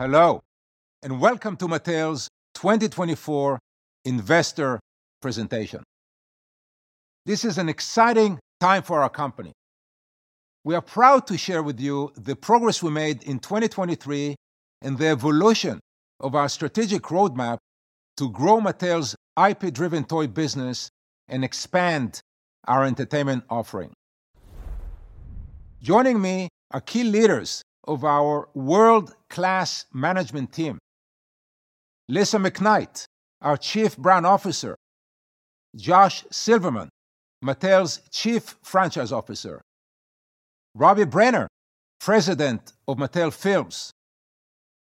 Hello and welcome to Mattel's 2024 Investor Presentation. This is an exciting time for our company. We are proud to share with you the progress we made in 2023 and the evolution of our strategic roadmap to grow Mattel's IP-driven toy business and expand our entertainment offering. Joining me are key leaders of our world-class management team: Lisa McKnight, our Chief Brand Officer; Josh Silverman, Mattel's Chief Franchise Officer; Robbie Brenner, President of Mattel Films;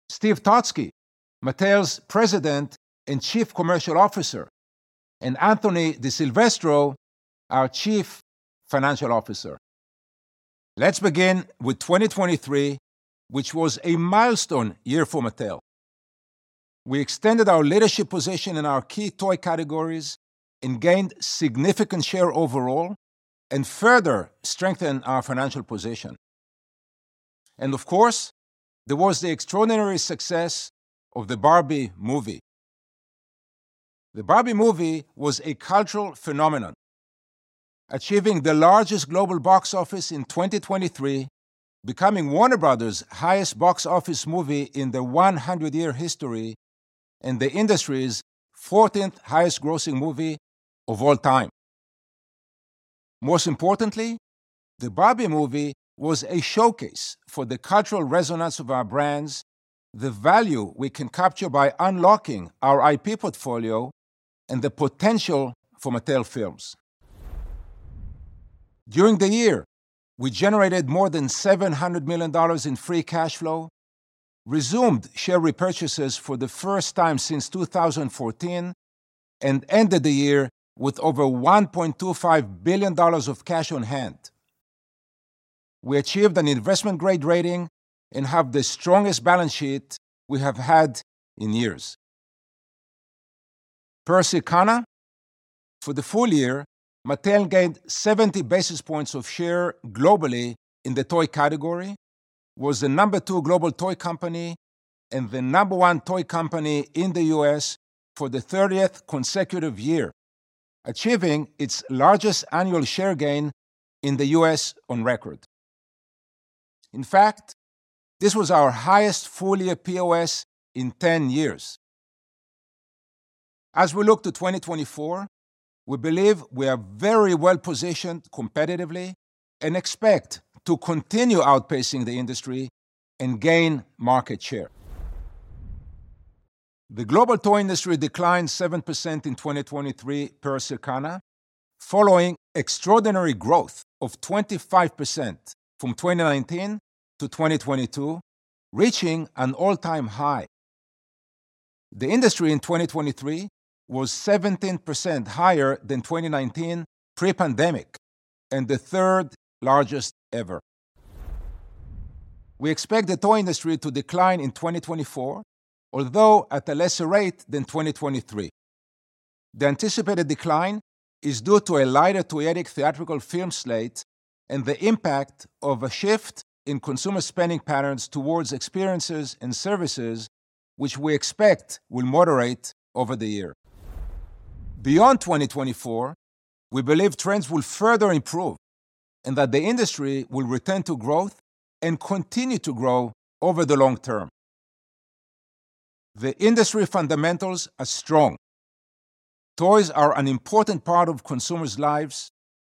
Steve Totzke, Mattel's President and Chief Commercial Officer; and Anthony DiSilvestro, our Chief Financial Officer. Let's begin with 2023, which was a milestone year for Mattel. We extended our leadership position in our key toy categories and gained significant share overall, and further strengthened our financial position. Of course, there was the extraordinary success of the Barbie movie. The Barbie movie was a cultural phenomenon, achieving the largest global box office in 2023, becoming Warner Bros.' highest box office movie in the 100-year history, and the industry's 14th highest-grossing movie of all time. Most importantly, the Barbie movie was a showcase for the cultural resonance of our brands, the value we can capture by unlocking our IP portfolio, and the potential for Mattel Films. During the year, we generated more than $700 million in free cash flow, resumed share repurchases for the first time since 2014, and ended the year with over $1.25 billion of cash on hand. We achieved an investment-grade rating and have the strongest balance sheet we have had in years. Per Circana, for the full year, Mattel gained 70 basis points of share globally in the toy category, was the number two global toy company, and the number one toy company in the U.S. For the 30th consecutive year, achieving its largest annual share gain in the U.S. on record. In fact, this was our highest full-year POS in 10 years. As we look to 2024, we believe we are very well positioned competitively and expect to continue outpacing the industry and gain market share. The global toy industry declined 7% in 2023 per Circana, following extraordinary growth of 25% from 2019 to 2022, reaching an all-time high. The industry in 2023 was 17% higher than 2019 pre-pandemic and the third largest ever. We expect the toy industry to decline in 2024, although at a lesser rate than 2023. The anticipated decline is due to a lighter toyetic theatrical film slate and the impact of a shift in consumer spending patterns towards experiences and services, which we expect will moderate over the year. Beyond 2024, we believe trends will further improve, and that the industry will return to growth and continue to grow over the long term. The industry fundamentals are strong. Toys are an important part of consumers' lives,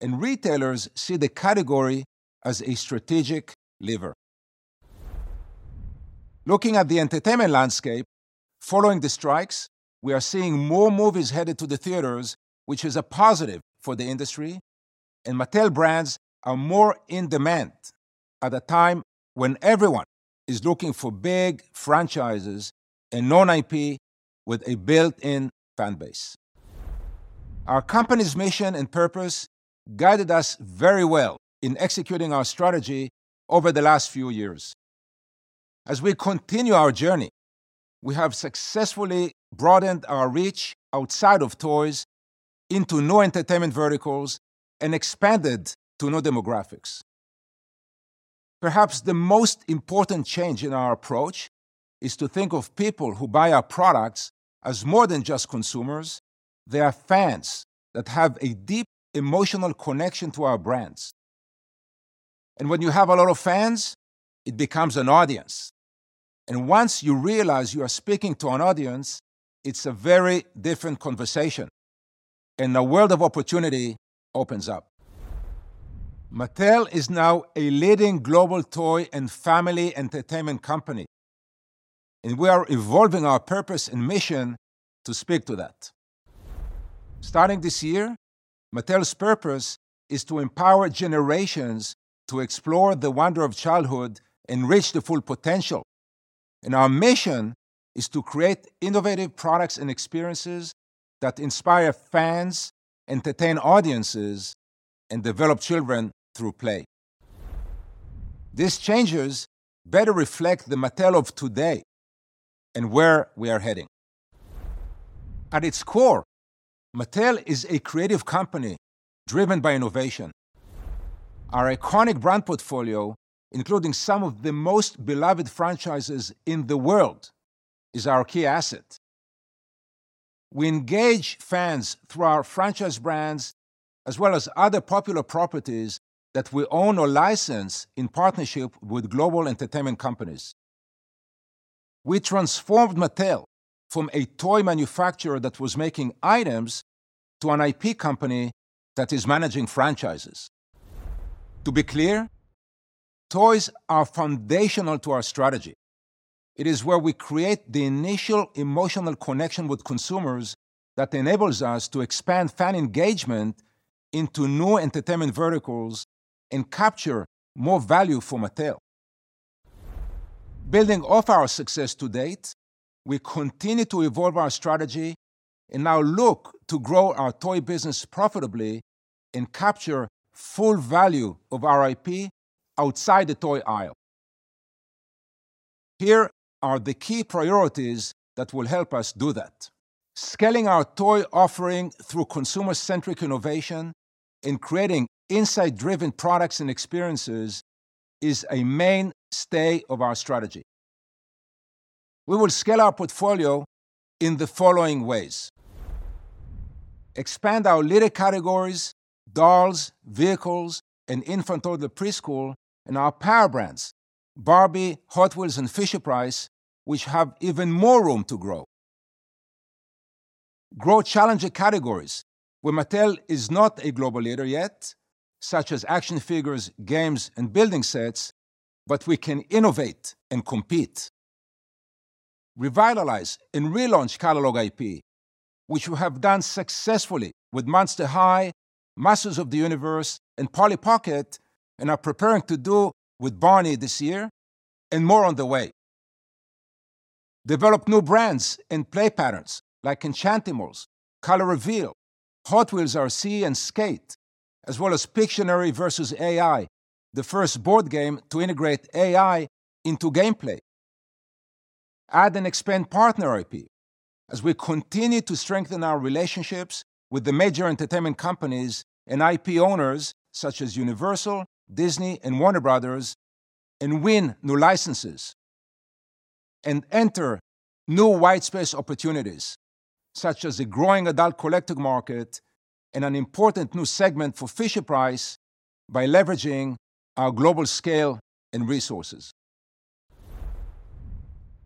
and retailers see the category as a strategic lever. Looking at the entertainment landscape, following the strikes, we are seeing more movies headed to the theaters, which is a positive for the industry, and Mattel brands are more in demand at a time when everyone is looking for big franchises and non-IP with a built-in fanbase. Our company's mission and purpose guided us very well in executing our strategy over the last few years. As we continue our journey, we have successfully broadened our reach outside of toys into new entertainment verticals and expanded to new demographics. Perhaps the most important change in our approach is to think of people who buy our products as more than just consumers. They are fans that have a deep emotional connection to our brands. When you have a lot of fans, it becomes an audience. Once you realize you are speaking to an audience, it's a very different conversation, and a world of opportunity opens up. Mattel is now a leading global toy and family entertainment company, and we are evolving our purpose and mission to speak to that. Starting this year, Mattel's purpose is to empower generations to explore the wonder of childhood and reach the full potential, and our mission is to create innovative products and experiences that inspire fans, entertain audiences, and develop children through play. These changes better reflect the Mattel of today and where we are heading. At its core, Mattel is a creative company driven by innovation. Our iconic brand portfolio, including some of the most beloved franchises in the world, is our key asset. We engage fans through our franchise brands as well as other popular properties that we own or license in partnership with global entertainment companies. We transformed Mattel from a toy manufacturer that was making items to an IP company that is managing franchises. To be clear, toys are foundational to our strategy. It is where we create the initial emotional connection with consumers that enables us to expand fan engagement into new entertainment verticals and capture more value for Mattel. Building off our success to date, we continue to evolve our strategy and now look to grow our toy business profitably and capture full value of our IP outside the toy aisle. Here are the key priorities that will help us do that. Scaling our toy offering through consumer-centric innovation and creating insight-driven products and experiences is a mainstay of our strategy. We will scale our portfolio in the following ways: Expand our leader categories, Dolls, Vehicles, and Infant, Toddler, and Preschool, and our power brands, Barbie, Hot Wheels, and Fisher-Price, which have even more room to grow. Grow challenger categories where Mattel is not a global leader yet, such as Action Figures, Games, and Building Sets, but we can innovate and compete. Revitalize and relaunch catalog IP, which we have done successfully with Monster High, Masters of the Universe, and Polly Pocket, and are preparing to do with Barney this year, and more on the way. Develop new brands and play patterns like Enchantimals, Color Reveal, Hot Wheels RC, and Skate, as well as Pictionary vs. AI, the first board game to integrate AI into gameplay. Add and expand partner IP as we continue to strengthen our relationships with the major entertainment companies and IP owners such as Universal, Disney, and Warner Bros., and win new licenses. Enter new whitespace opportunities such as a growing adult collector market and an important new segment for Fisher-Price by leveraging our global scale and resources.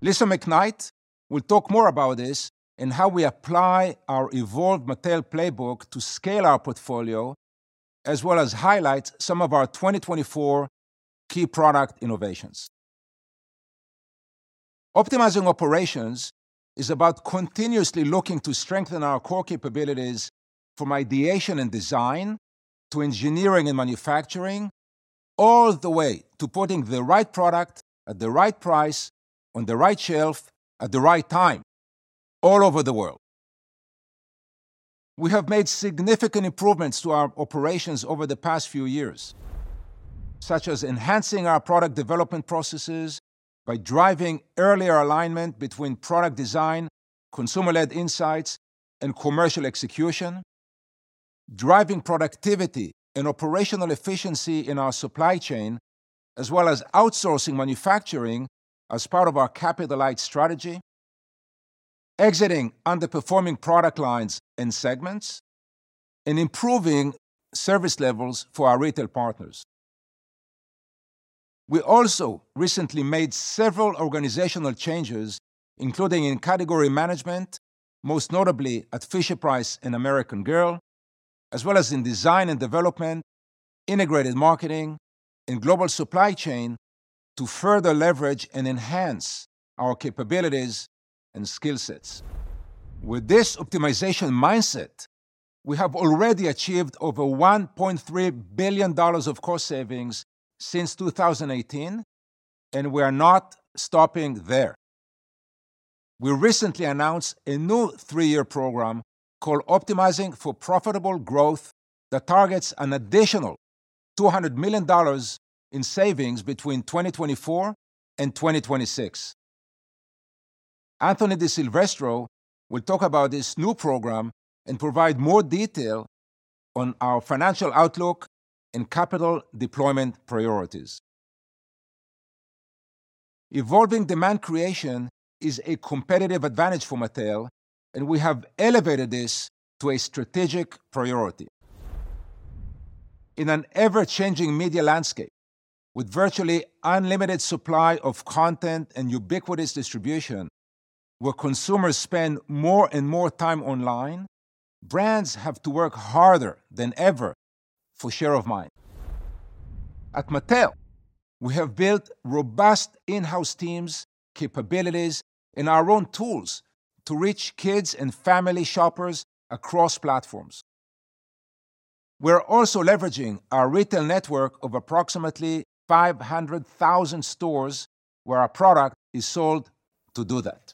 Lisa McKnight will talk more about this and how we apply our evolved Mattel Playbook to scale our portfolio, as well as highlight some of our 2024 key product innovations. Optimizing operations is about continuously looking to strengthen our core capabilities from ideation and design to engineering and manufacturing, all the way to putting the right product at the right price, on the right shelf, at the right time, all over the world. We have made significant improvements to our operations over the past few years, such as enhancing our product development processes by driving earlier alignment between product design, consumer-led insights, and commercial execution, driving productivity and operational efficiency in our supply chain, as well as outsourcing manufacturing as part of our capitalized strategy, exiting underperforming product lines and segments, and improving service levels for our retail partners. We also recently made several organizational changes, including in category management, most notably at Fisher-Price and American Girl, as well as in design and development, integrated marketing, and global supply chain, to further leverage and enhance our capabilities and skill sets. With this optimization mindset, we have already achieved over $1.3 billion of cost savings since 2018, and we are not stopping there. We recently announced a new three-year program called Optimizing for Profitable Growth that targets an additional $200 million in savings between 2024 and 2026. Anthony DiSilvestro will talk about this new program and provide more detail on our financial outlook and capital deployment priorities. Evolving demand creation is a competitive advantage for Mattel, and we have elevated this to a strategic priority. In an ever-changing media landscape, with virtually unlimited supply of content and ubiquitous distribution, where consumers spend more and more time online, brands have to work harder than ever for share of mind. At Mattel, we have built robust in-house teams, capabilities, and our own tools to reach kids and family shoppers across platforms. We are also leveraging our retail network of approximately 500,000 stores where our product is sold to do that.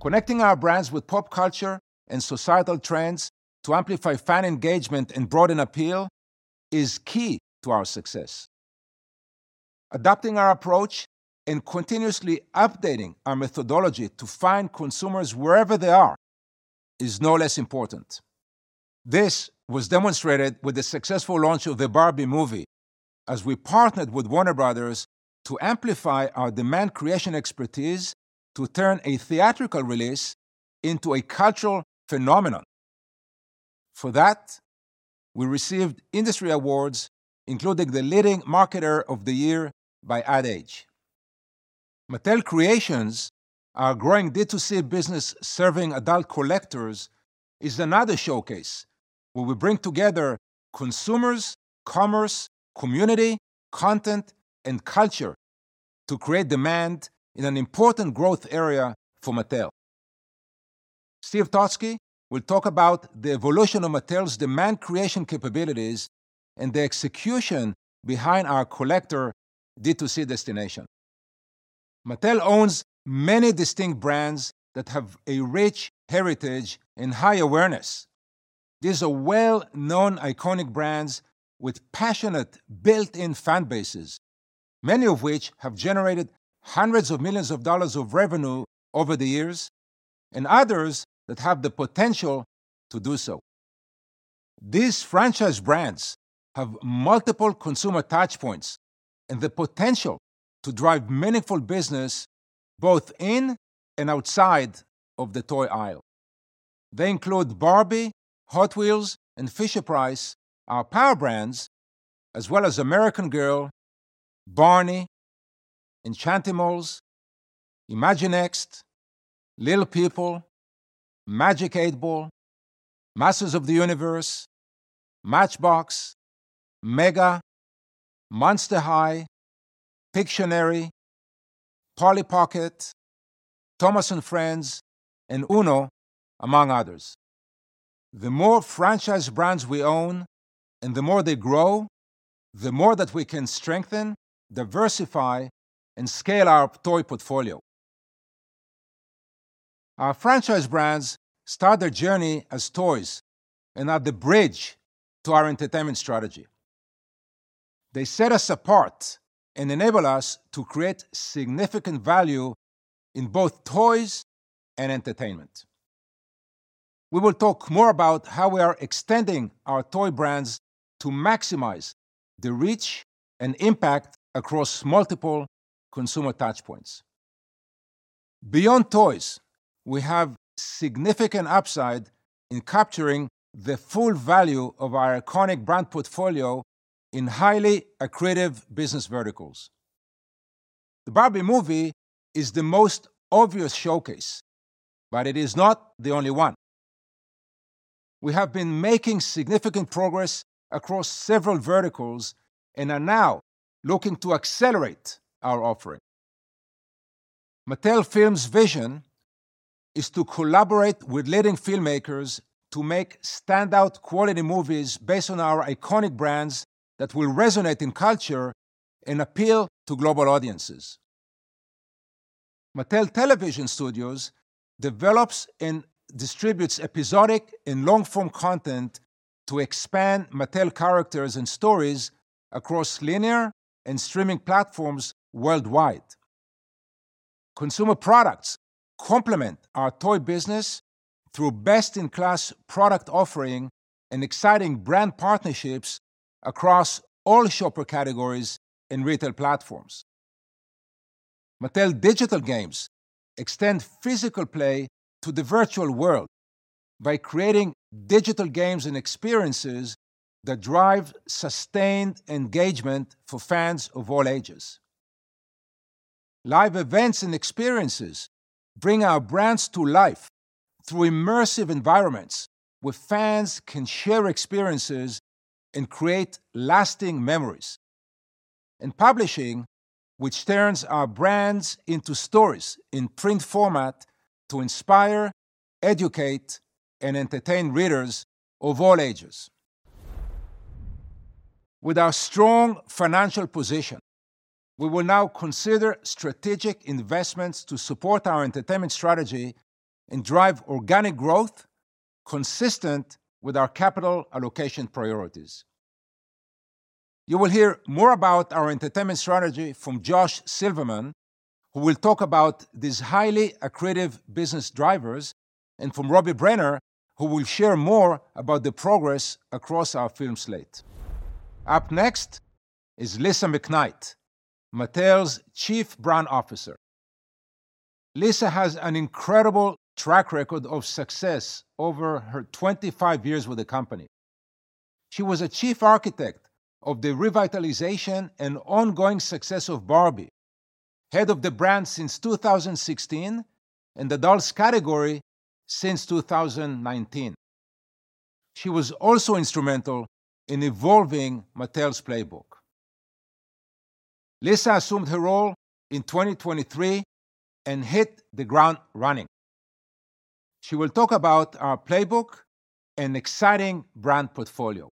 Connecting our brands with pop culture and societal trends to amplify fan engagement and broaden appeal is key to our success. Adopting our approach and continuously updating our methodology to find consumers wherever they are is no less important. This was demonstrated with the successful launch of the Barbie movie, as we partnered with Warner Bros. to amplify our demand creation expertise to turn a theatrical release into a cultural phenomenon. For that, we received industry awards, including the leading marketer of the year by Ad Age. Mattel Creations, our growing D2C business serving adult collectors, is another showcase where we bring together consumers, commerce, community, content, and culture to create demand in an important growth area for Mattel. Steve Totzke will talk about the evolution of Mattel's demand creation capabilities and the execution behind our collector D2C destination. Mattel owns many distinct brands that have a rich heritage and high awareness. These are well-known iconic brands with passionate built-in fanbases, many of which have generated $hundreds of millions of revenue over the years, and others that have the potential to do so. These franchise brands have multiple consumer touchpoints and the potential to drive meaningful business both in and outside of the toy aisle. They include Barbie, Hot Wheels, and Fisher-Price, our power brands, as well as American Girl, Barney, Enchantimals, Imaginext, Little People, Magic 8 Ball, Masters of the Universe, Matchbox, Mega, Monster High, Pictionary, Polly Pocket, Thomas & Friends, and UNO, among others. The more franchise brands we own and the more they grow, the more that we can strengthen, diversify, and scale our toy portfolio. Our franchise brands start their journey as toys and are the bridge to our entertainment strategy. They set us apart and enable us to create significant value in both toys and entertainment. We will talk more about how we are extending our toy brands to maximize the reach and impact across multiple consumer touchpoints. Beyond toys, we have significant upside in capturing the full value of our iconic brand portfolio in highly accretive business verticals. The Barbie movie is the most obvious showcase, but it is not the only one. We have been making significant progress across several verticals and are now looking to accelerate our offering. Mattel Films' vision is to collaborate with leading filmmakers to make standout quality movies based on our iconic brands that will resonate in culture and appeal to global audiences. Mattel Television Studios develops and distributes episodic and long-form content to expand Mattel characters and stories across linear and streaming platforms worldwide. Consumer products complement our toy business through best-in-class product offering and exciting brand partnerships across all shopper categories and retail platforms. Mattel Digital Games extend physical play to the virtual world by creating digital games and experiences that drive sustained engagement for fans of all ages. Live events and experiences bring our brands to life through immersive environments where fans can share experiences and create lasting memories. Publishing, which turns our brands into stories in print format to inspire, educate, and entertain readers of all ages. With our strong financial position, we will now consider strategic investments to support our entertainment strategy and drive organic growth consistent with our capital allocation priorities. You will hear more about our entertainment strategy from Josh Silverman, who will talk about these highly accretive business drivers, and from Robbie Brenner, who will share more about the progress across our film slate. Up next is Lisa McKnight, Mattel's Chief Brand Officer. Lisa has an incredible track record of success over her 25 years with the company. She was a chief architect of the revitalization and ongoing success of Barbie, head of the brand since 2016, and adults category since 2019. She was also instrumental in evolving Mattel's playbook. Lisa assumed her role in 2023 and hit the ground running. She will talk about our playbook and exciting brand portfolio.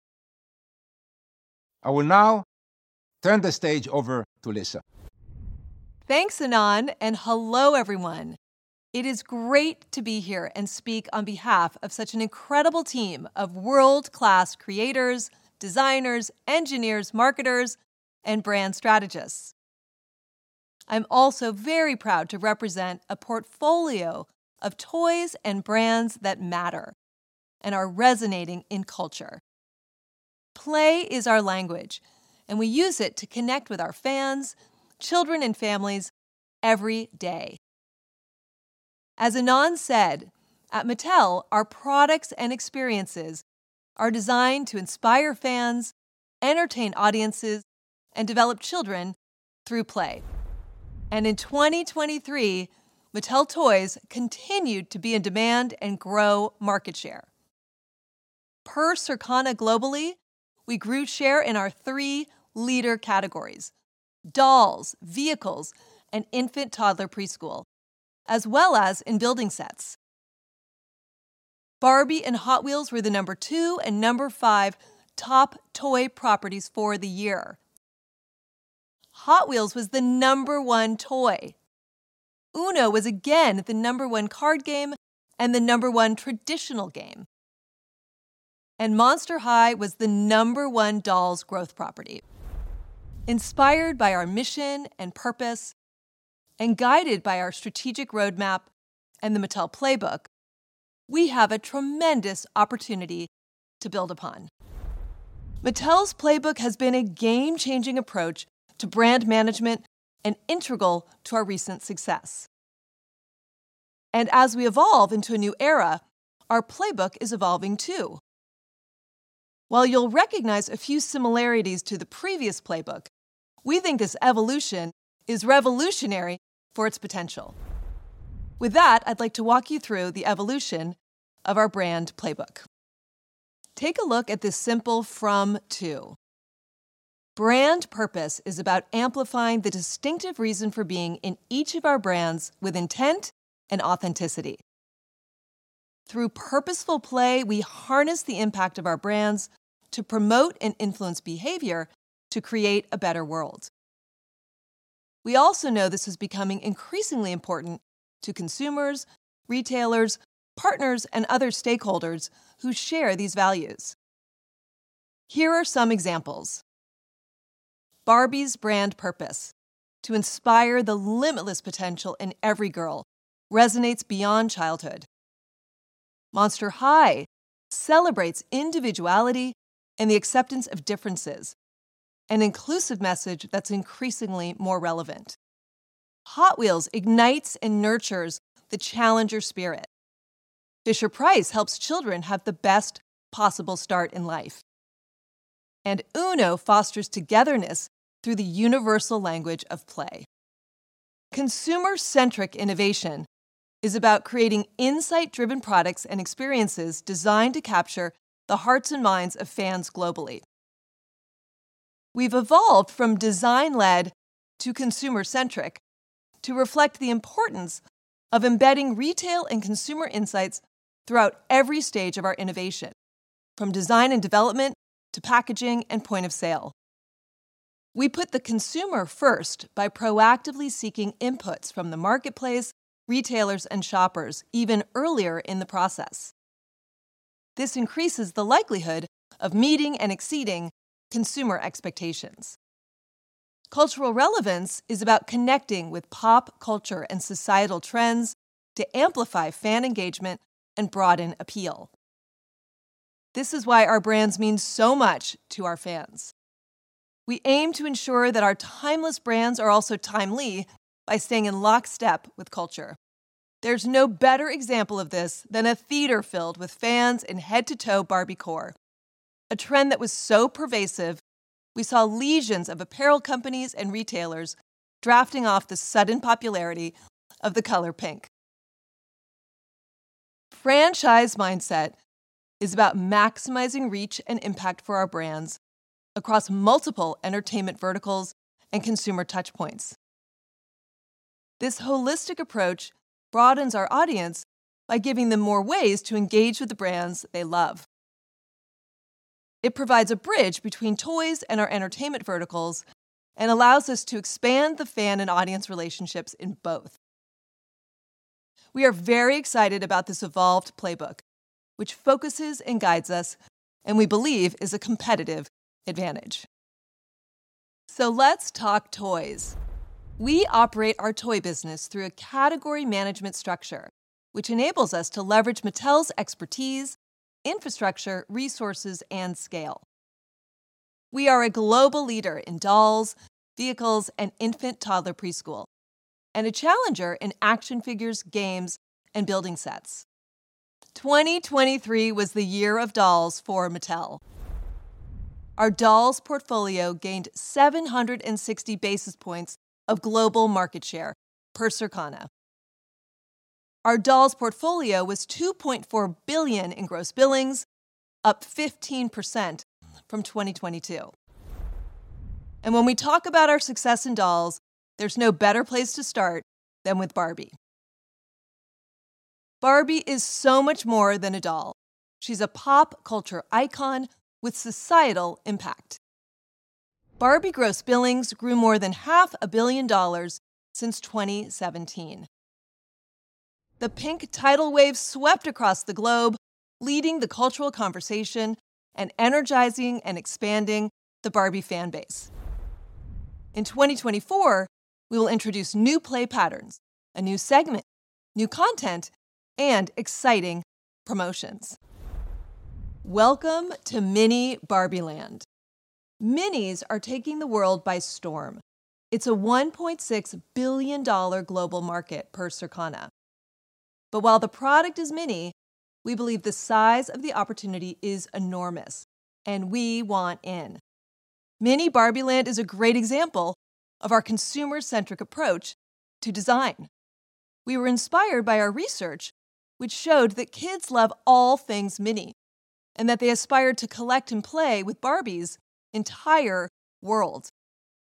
I will now turn the stage over to Lisa. Thanks, Ynon, and hello everyone. It is great to be here and speak on behalf of such an incredible team of world-class creators, designers, engineers, marketers, and brand strategists. I'm also very proud to represent a portfolio of toys and brands that matter and are resonating in culture. Play is our language, and we use it to connect with our fans, children, and families every day. As Ynon said, at Mattel, our products and experiences are designed to inspire fans, entertain audiences, and develop children through play. In 2023, Mattel toys continued to be in demand and grow market share. Per Circana globally, we grew share in our three leader categories: Dolls, Vehicles, and Infant Toddler Preschool, as well as in building sets. Barbie and Hot Wheels were the number two and number five top toy properties for the year. Hot Wheels was the number one toy. UNO was again the number one card game and the number one traditional game. Monster High was the number one dolls growth property. Inspired by our mission and purpose, and guided by our strategic roadmap and the Mattel Playbook, we have a tremendous opportunity to build upon. Mattel's playbook has been a game-changing approach to brand management and integral to our recent success. As we evolve into a new era, our playbook is evolving too. While you'll recognize a few similarities to the previous playbook, we think this evolution is revolutionary for its potential. With that, I'd like to walk you through the evolution of our brand playbook. Take a look at this simple from to. Brand purpose is about amplifying the distinctive reason for being in each of our brands with intent and authenticity. Through purposeful play, we harness the impact of our brands to promote and influence behavior to create a better world. We also know this is becoming increasingly important to consumers, retailers, partners, and other stakeholders who share these values. Here are some examples. Barbie's brand purpose, to inspire the limitless potential in every girl, resonates beyond childhood. Monster High celebrates individuality and the acceptance of differences, an inclusive message that's increasingly more relevant. Hot Wheels ignites and nurtures the challenger spirit. Fisher-Price helps children have the best possible start in life. And UNO fosters togetherness through the universal language of play. Consumer-centric innovation is about creating insight-driven products and experiences designed to capture the hearts and minds of fans globally. We've evolved from design-led to consumer-centric to reflect the importance of embedding retail and consumer insights throughout every stage of our innovation, from design and development to packaging and point of sale. We put the consumer first by proactively seeking inputs from the marketplace, retailers, and shoppers even earlier in the process. This increases the likelihood of meeting and exceeding consumer expectations. Cultural relevance is about connecting with pop culture and societal trends to amplify fan engagement and broaden appeal. This is why our brands mean so much to our fans. We aim to ensure that our timeless brands are also timely by staying in lockstep with culture. There's no better example of this than a theater filled with fans and head-to-toe Barbiecore, a trend that was so pervasive we saw legions of apparel companies and retailers drafting off the sudden popularity of the color pink. Franchise mindset is about maximizing reach and impact for our brands across multiple entertainment verticals and consumer touchpoints. This holistic approach broadens our audience by giving them more ways to engage with the brands they love. It provides a bridge between toys and our entertainment verticals and allows us to expand the fan and audience relationships in both. We are very excited about this evolved playbook, which focuses and guides us, and we believe is a competitive advantage. So let's talk toys. We operate our toy business through a category management structure, which enables us to leverage Mattel's expertise, infrastructure, resources, and scale. We are a global leader in Dolls, Vehicles, and Infant Toddler Preschool, and a challenger in action figures, games, and building sets. 2023 was the year of dolls for Mattel. Our dolls portfolio gained 760 basis points of global market share per Circana. Our dolls portfolio was $2.4 billion in gross billings, up 15% from 2022. When we talk about our success in dolls, there's no better place to start than with Barbie. Barbie is so much more than a doll. She's a pop culture icon with societal impact. Barbie gross billings grew more than $500 million since 2017. The pink tidal wave swept across the globe, leading the cultural conversation and energizing and expanding the Barbie fanbase. In 2024, we will introduce new play patterns, a new segment, new content, and exciting promotions. Welcome to Mini BarbieLand. Minis are taking the world by storm. It's a $1.6 billion global market per Circana. But while the product is mini, we believe the size of the opportunity is enormous, and we want in. Mini BarbieLand is a great example of our consumer-centric approach to design. We were inspired by our research, which showed that kids love all things mini and that they aspire to collect and play with Barbie's entire world.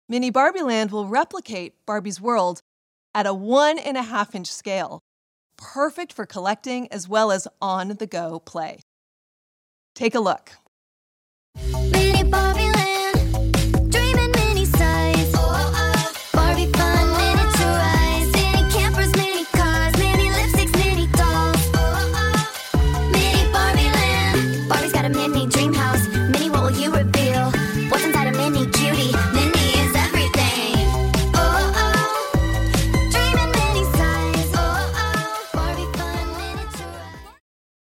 Mini BarbieLand will replicate Barbie's world at a 1.5 inch scale, perfect for collecting as well as on-the-go play. Take a look.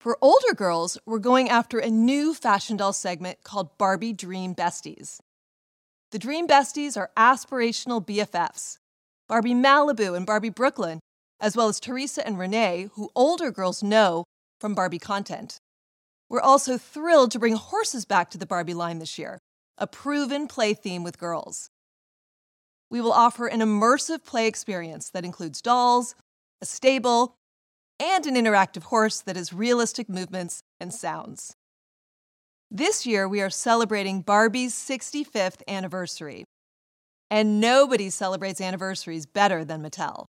For older girls, we're going after a new fashion doll segment called Barbie Dream Besties. The Dream Besties are aspirational BFFs: Barbie Malibu and Barbie Brooklyn, as well as Teresa and Renee, who older girls know from Barbie content. We're also thrilled to bring horses back to the Barbie line this year, a proven play theme with girls. We will offer an immersive play experience that includes dolls, a stable, and an interactive horse that has realistic movements and sounds. This year, we are celebrating Barbie's 65th anniversary, and nobody celebrates anniversaries better than Mattel.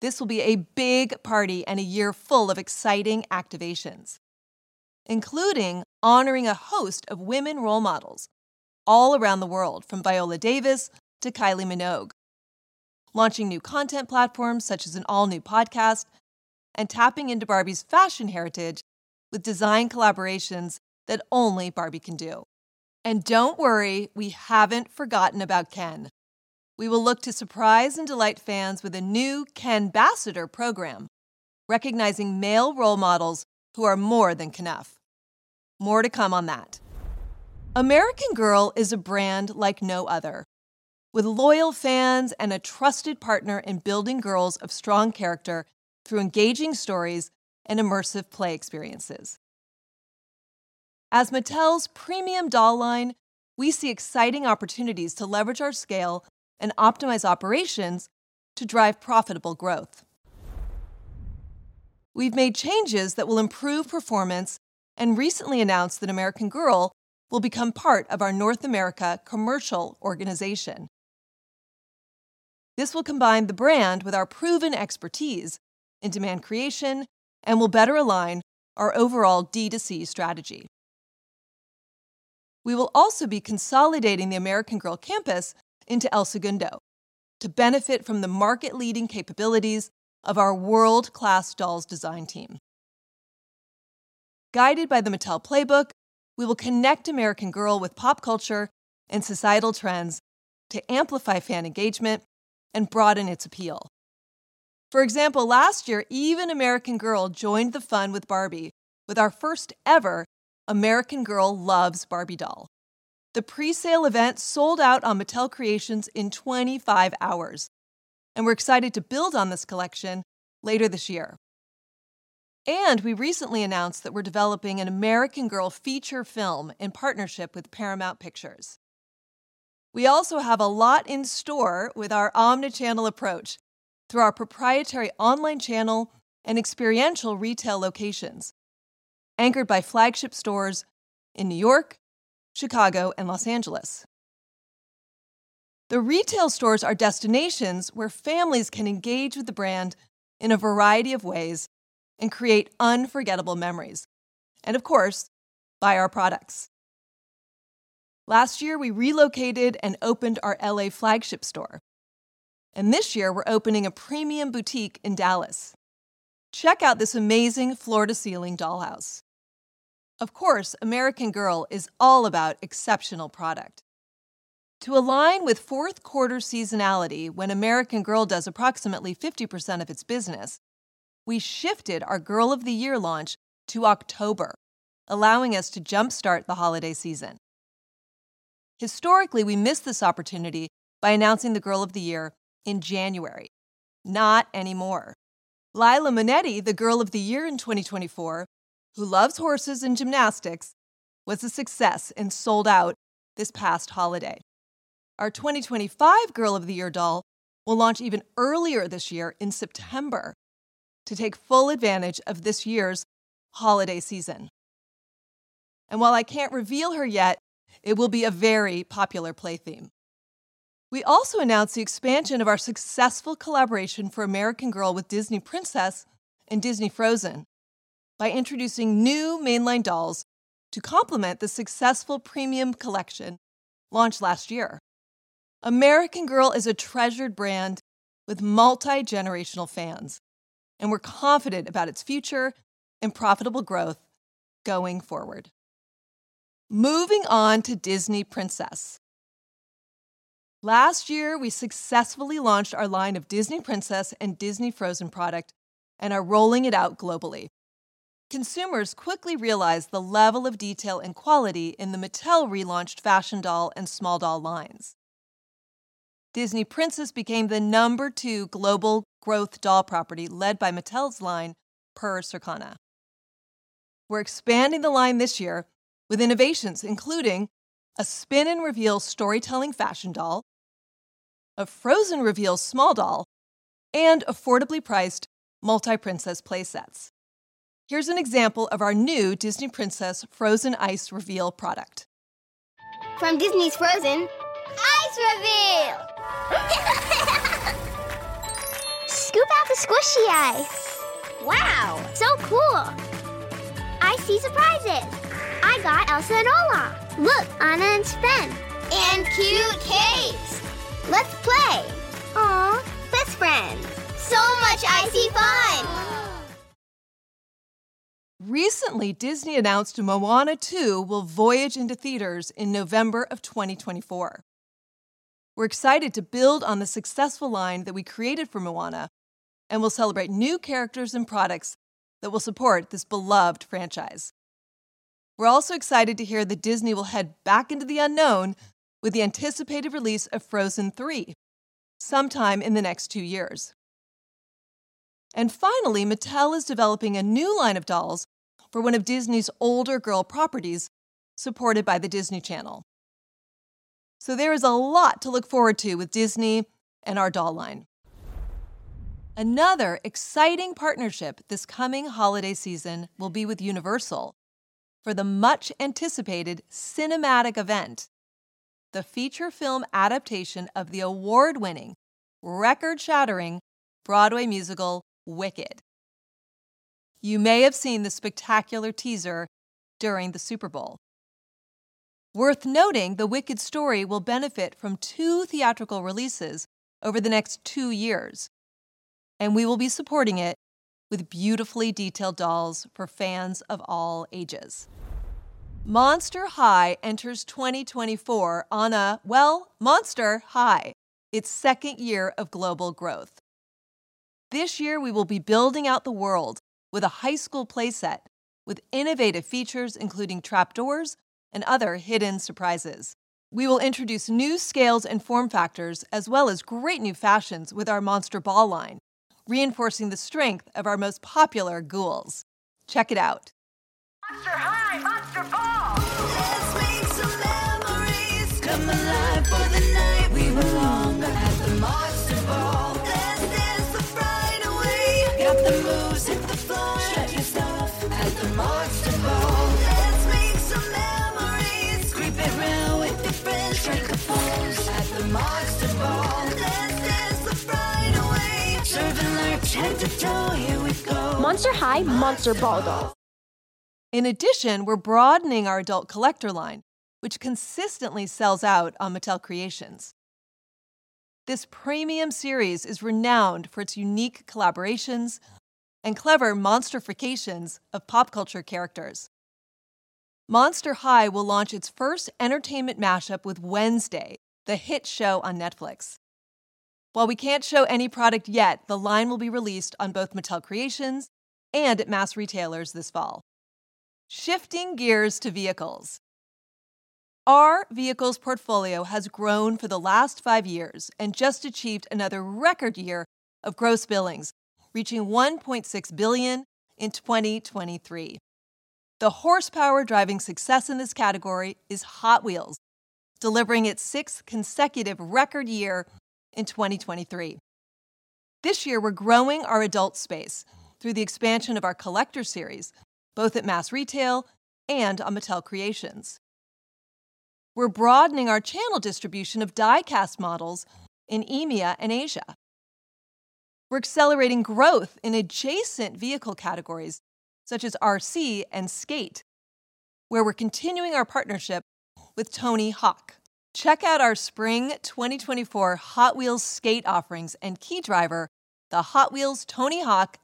This will be a big party and a year full of exciting activations, including honoring a host of women role models all around the world, from Viola Davis to Kylie Minogue, launching new content platforms such as an all-new podcast, and tapping into Barbie's fashion heritage with design collaborations that only Barbie can do. Don't worry, we haven't forgotten about Ken. We will look to surprise and delight fans with a new Ken-bassador program recognizing male role models who are more than Kenough. More to come on that. American Girl is a brand like no other, with loyal fans and a trusted partner in building girls of strong character through engaging stories and immersive play experiences. As Mattel's premium doll line, we see exciting opportunities to leverage our scale and optimize operations to drive profitable growth. We've made changes that will improve performance and recently announced that American Girl will become part of our North America commercial organization. This will combine the brand with our proven expertise in demand creation and will better align our overall D2C strategy. We will also be consolidating the American Girl campus into El Segundo to benefit from the market-leading capabilities of our world-class dolls design team. Guided by the Mattel Playbook, we will connect American Girl with pop culture and societal trends to amplify fan engagement and broaden its appeal. For example, last year, even American Girl joined the fun with Barbie with our first-ever American Girl Loves Barbie doll. The presale event sold out on Mattel Creations in 25 hours, and we're excited to build on this collection later this year. We recently announced that we're developing an American Girl feature film in partnership with Paramount Pictures. We also have a lot in store with our omnichannel approach through our proprietary online channel and experiential retail locations anchored by flagship stores in New York, Chicago, and Los Angeles. The retail stores are destinations where families can engage with the brand in a variety of ways and create unforgettable memories, and of course, buy our products. Last year, we relocated and opened our L.A. flagship store, and this year we're opening a premium boutique in Dallas. Check out this amazing floor-to-ceiling dollhouse. Of course, American Girl is all about exceptional product. To align with Q4 seasonality when American Girl does approximately 50% of its business, we shifted our Girl of the Year launch to October, allowing us to jump-start the holiday season. Historically, we missed this opportunity by announcing the Girl of the Year in January, not anymore. Lila Monetti, the Girl of the Year in 2024, who loves horses and gymnastics, was a success and sold out this past holiday. Our 2025 Girl of the Year doll will launch even earlier this year in September to take full advantage of this year's holiday season. While I can't reveal her yet, it will be a very popular play theme. We also announced the expansion of our successful collaboration for American Girl with Disney Princess and Disney Frozen by introducing new mainline dolls to complement the successful premium collection launched last year. American Girl is a treasured brand with multi-generational fans, and we're confident about its future and profitable growth going forward. Moving on to Disney Princess. Last year, we successfully launched our line of Disney Princess and Disney Frozen product and are rolling it out globally. Consumers quickly realized the level of detail and quality in the Mattel relaunched fashion doll and small doll lines. Disney Princess became the number two global growth doll property led by Mattel's line per Circana. We're expanding the line this year with innovations including a spin-and-reveal storytelling fashion doll, a frozen reveal small doll, and affordably priced multi-princess play sets. Here's an example of our new Disney Princess Frozen Ice Reveal product. Recently, Disney announced Moana 2 will voyage into theaters in November of 2024. We're excited to build on the successful line that we created for Moana and will celebrate new characters and products that will support this beloved franchise. We're also excited to hear that Disney will head back into the unknown with the anticipated release of Frozen 3 sometime in the next two years. Finally, Mattel is developing a new line of dolls for one of Disney's older girl properties supported by the Disney Channel. So there is a lot to look forward to with Disney and our doll line. Another exciting partnership this coming holiday season will be with Universal for the much-anticipated cinematic event, the feature film adaptation of the award-winning, record-shattering Broadway musical Wicked. You may have seen the spectacular teaser during the Super Bowl. Worth noting, the Wicked story will benefit from two theatrical releases over the next two years, and we will be supporting it with beautifully detailed dolls for fans of all ages. Monster High enters 2024 on a, well, Monster High, its second year of global growth. This year, we will be building out the world with a high school playset with innovative features including trap doors and other hidden surprises. We will introduce new scales and form factors as well as great new fashions with our Monster Ball line, reinforcing the strength of our most popular ghouls. Check it out. In addition, we're broadening our adult collector line, which consistently sells out on Mattel Creations. This premium series is renowned for its unique collaborations and clever monstrifications of pop culture characters. Monster High will launch its first entertainment mashup with Wednesday, the hit show on Netflix. While we can't show any product yet, the line will be released on both Mattel Creations and at mass retailers this fall. Shifting gears to vehicles. Our vehicles portfolio has grown for the last five years and just achieved another record year of gross billings, reaching $1.6 billion in 2023. The horsepower driving success in this category is Hot Wheels, delivering its sixth consecutive record year in 2023. This year, we're growing our adult space through the expansion of our collector series, both at mass retail and on Mattel Creations. We're broadening our channel distribution of diecast models in EMEA and Asia. We're accelerating growth in adjacent vehicle categories such as RC and skate, where we're continuing our partnership with Tony Hawk. Check out our spring 2024 Hot Wheels skate offerings and key driver, the Hot Wheels Tony Hawk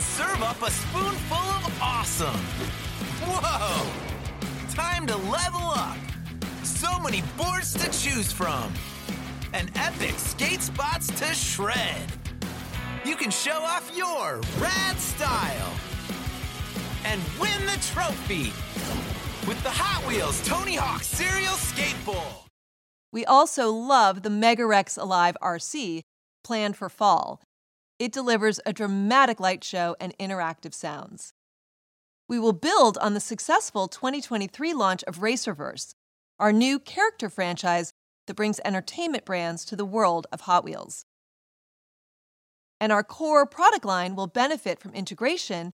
Signature Skateboard. We also love the Mega-Wrex Alive RC planned for fall. It delivers a dramatic light show and interactive sounds. We will build on the successful 2023 launch of Racerverse, our new character franchise that brings entertainment brands to the world of Hot Wheels. Our core product line will benefit from integration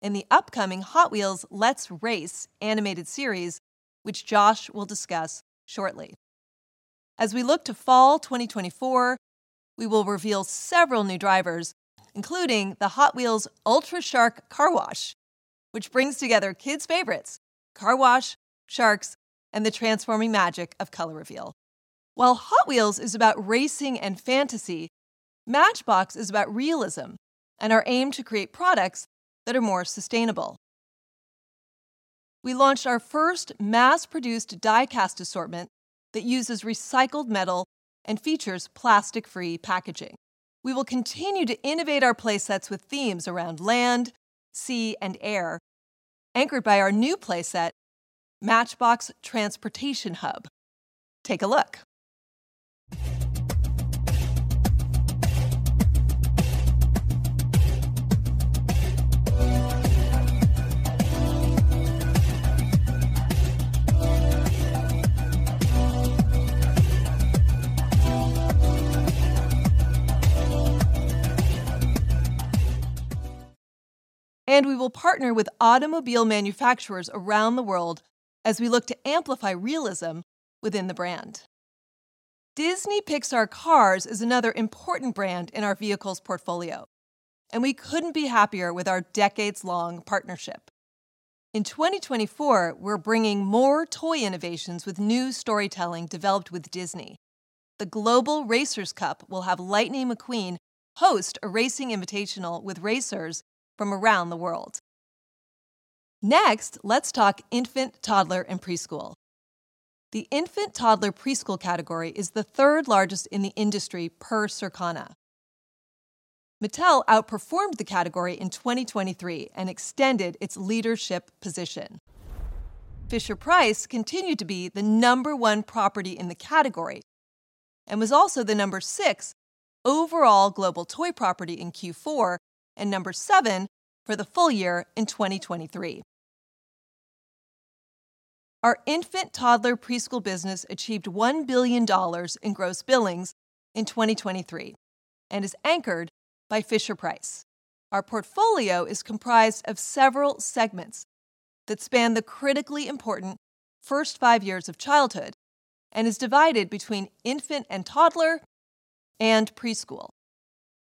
in the upcoming Hot Wheels Let's Race animated series, which Josh will discuss shortly. As we look to fall 2024, we will reveal several new drivers, including the Hot Wheels Ultra Shark Car Wash, which brings together kids' favorites: car wash, sharks, and the transforming magic of color reveal. While Hot Wheels is about racing and fantasy, Matchbox is about realism and our aim to create products that are more sustainable. We launched our first mass-produced diecast assortment that uses recycled metal and features plastic-free packaging. We will continue to innovate our play sets with themes around land, sea, and air, anchored by our new play set, Matchbox Transportation Hub. Take a look. We will partner with automobile manufacturers around the world as we look to amplify realism within the brand. Disney Pixar Cars is another important brand in our vehicles portfolio, and we couldn't be happier with our decades-long partnership. In 2024, we're bringing more toy innovations with new storytelling developed with Disney. The Global Racers Cup will have Lightning McQueen host a racing invitational with racers from around the world. Next, let's talk Infant, Toddler, and Preschool. The infant, toddler, preschool category is the third largest in the industry per Circana. Mattel outperformed the category in 2023 and extended its leadership position. Fisher-Price continued to be the number one property in the category and was also the number six overall global toy property in Q4 and number seven for the full year in 2023. Our infant, toddler, preschool business achieved $1 billion in gross billings in 2023 and is anchored by Fisher-Price. Our portfolio is comprised of several segments that span the critically important first five years of childhood and is divided between Infant and Toddler and Preschool.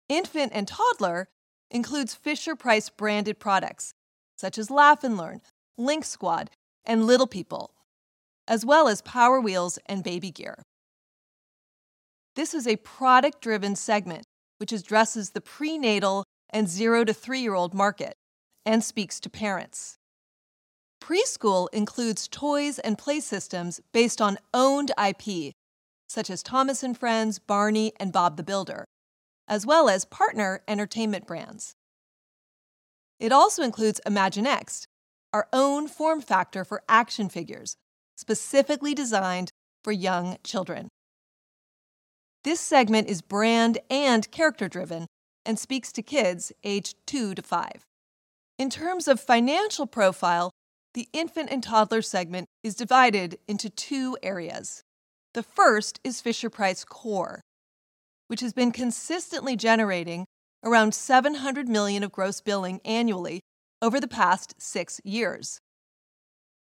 Infant and Toddler includes Fisher-Price branded products such as Laugh & Learn, Link Squad, and Little People, as well as Power Wheels and Baby Gear. This is a product-driven segment which addresses the prenatal and zero to three-year-old market and speaks to parents. Preschool includes toys and play systems based on owned IP such as Thomas & Friends, Barney, and Bob the Builder, as well as partner entertainment brands. It also includes Imaginext, our own form factor for action figures specifically designed for young children. This segment is brand and character-driven and speaks to kids aged two to five. In terms of financial profile, the Infant and Toddler segment is divided into two areas. The first is Fisher-Price Core, which has been consistently generating around $700 million of gross billing annually over the past six years.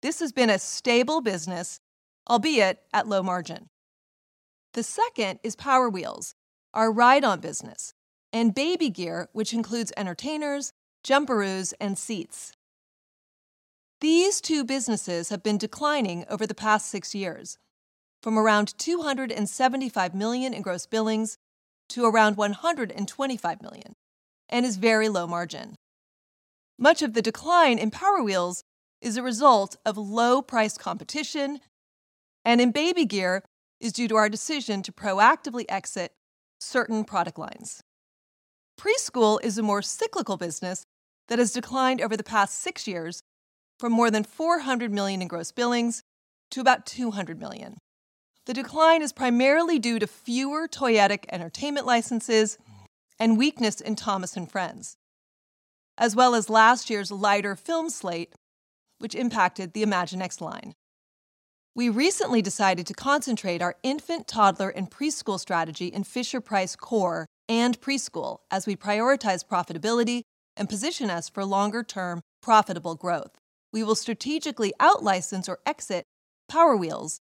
This has been a stable business, albeit at low margin. The second is Power Wheels, our ride-on business, and Baby Gear, which includes entertainers, jumperoos, and seats. These two businesses have been declining over the past six years, from around $275 million in gross billings to around $125 million, and is very low margin. Much of the decline in Power Wheels is a result of low-priced competition, and in Baby Gear is due to our decision to proactively exit certain product lines. Preschool is a more cyclical business that has declined over the past six years from more than $400 million in gross billings to about $200 million. The decline is primarily due to fewer toyetic entertainment licenses and weakness in Thomas & Friends, as well as last year's lighter film slate, which impacted the Imaginext line. We recently decided to concentrate our iInfant, Toddler, and Preschool strategy in Fisher-Price Core and preschool as we prioritize profitability and position us for longer-term profitable growth. We will strategically outlicense or exit Power Wheels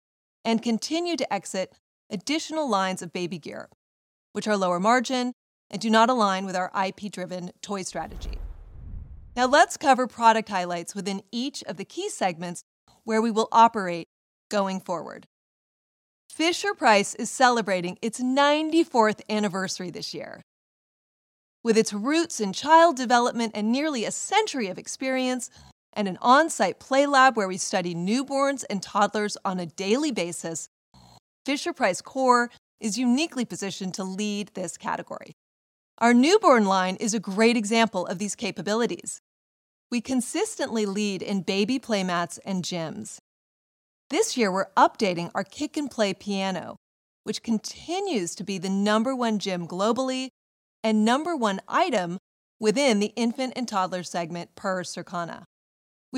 and continue to exit additional lines of Baby Gear, which are lower margin and do not align with our IP-driven toy strategy. Now let's cover product highlights within each of the key segments where we will operate going forward. Fisher-Price is celebrating its 94th anniversary this year. With its roots in child development and nearly a century of experience and an on-site play lab where we study newborns and toddlers on a daily basis, Fisher-Price core is uniquely positioned to lead this category. Our newborn line is a great example of these capabilities. We consistently lead in baby play mats and gyms. This year, we're updating our Kick & Play Piano, which continues to be the number one gym globally and number one item within the Infant and toddler segment per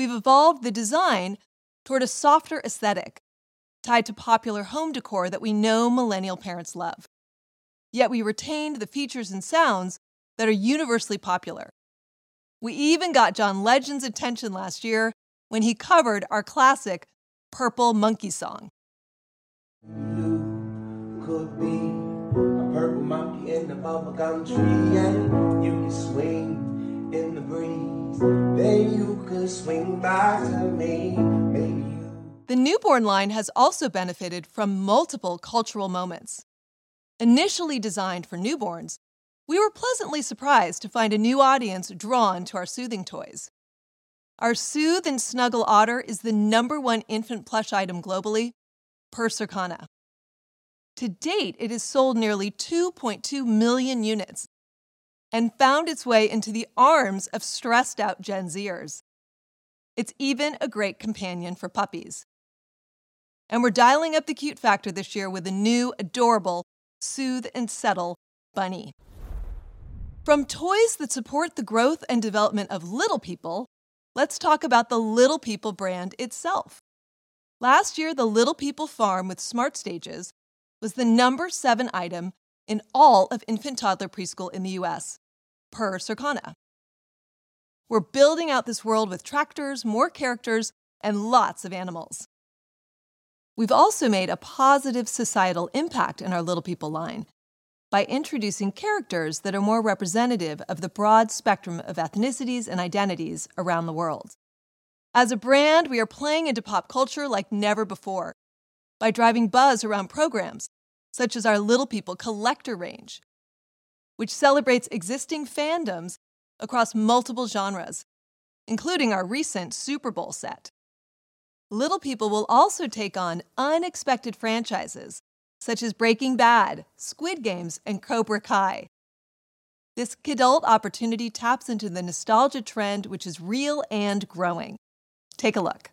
Circana. We've evolved the design toward a softer aesthetic tied to popular home decor that we know millennial parents love. Yet we retained the features and sounds that are universally popular. We even got John Legend's attention last year when he covered our classic Purple Monkey song. The newborn line has also benefited from multiple cultural moments. Initially designed for newborns, we were pleasantly surprised to find a new audience drawn to our soothing toys. Our Soothe 'n Snuggle Otter is the number one infant plush item globally per Circana. To date, it has sold nearly 2.2 million units and found its way into the arms of stressed-out Gen Zers. It's even a great companion for puppies. We're dialing up the cute factor this year with the new adorable Soothe & Settle Bunny. From toys that support the growth and development of Little People, let's talk about the Little People brand itself. Last year, the Little People Farm with Smart Stages was the number seven item in all of infant, toddler, preschool in the U.S. per Circana. We're building out this world with tractors, more characters, and lots of animals. We've also made a positive societal impact in our Little People line by introducing characters that are more representative of the broad spectrum of ethnicities and identities around the world. As a brand, we are playing into pop culture like never before by driving buzz around programs such as our Little People Collector Range, which celebrates existing fandoms across multiple genres, including our recent Super Bowl set. Little People will also take on unexpected franchises such as Breaking Bad, Squid Game, and Cobra Kai. This kidult opportunity taps into the nostalgia trend which is real and growing. Take a look.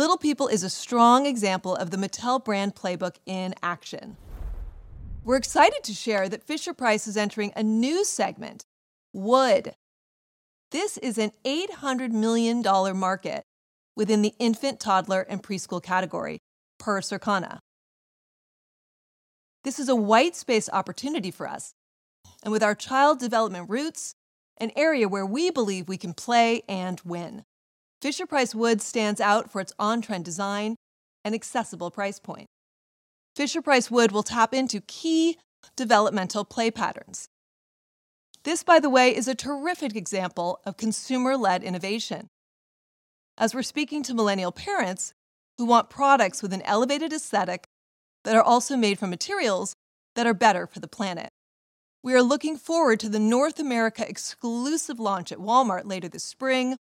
Little People is a strong example of the Mattel brand playbook in action. We're excited to share that Fisher-Price is entering a new segment, Wood. This is an $800 million market within the Infant, Toddler, and Preschool category per Circana. This is a white space opportunity for us, and with our child development roots, an area where we believe we can play and win. Fisher-Price Wood stands out for its on-trend design and accessible price point. Fisher-Price Wood will tap into key developmental play patterns. This, by the way, is a terrific example of consumer-led innovation. As we're speaking to millennial parents who want products with an elevated aesthetic that are also made from materials that are better for the planet, we are looking forward to the North America exclusive launch at Walmart later this spring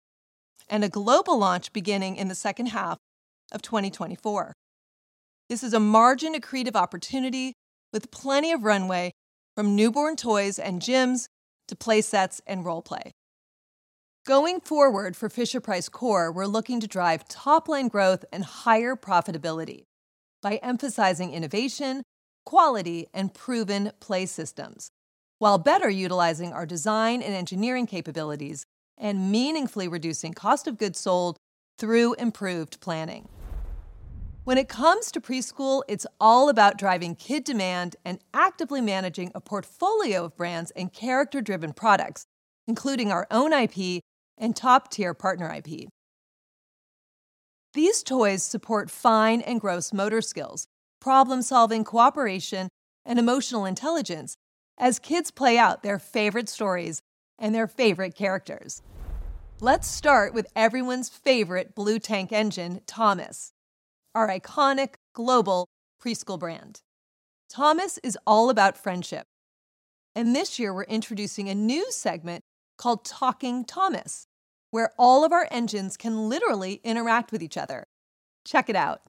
and a global launch beginning in the second half of 2024. This is a margin-accretive opportunity with plenty of runway from newborn toys and gyms to play sets and role play. Going forward for Fisher-Price Core, we're looking to drive top-line growth and higher profitability by emphasizing innovation, quality, and proven play systems while better utilizing our design and engineering capabilities and meaningfully reducing cost of goods sold through improved planning. When it comes to preschool, it's all about driving kid demand and actively managing a portfolio of brands and character-driven products, including our own IP and top-tier partner IP. These toys support fine and gross motor skills, problem-solving, cooperation, and emotional intelligence as kids play out their favorite stories and their favorite characters. Let's start with everyone's favorite blue tank engine, Thomas, our iconic global preschool brand. Thomas is all about friendship. And this year, we're introducing a new segment called Talking Thomas, where all of our engines can literally interact with each other. Check it out.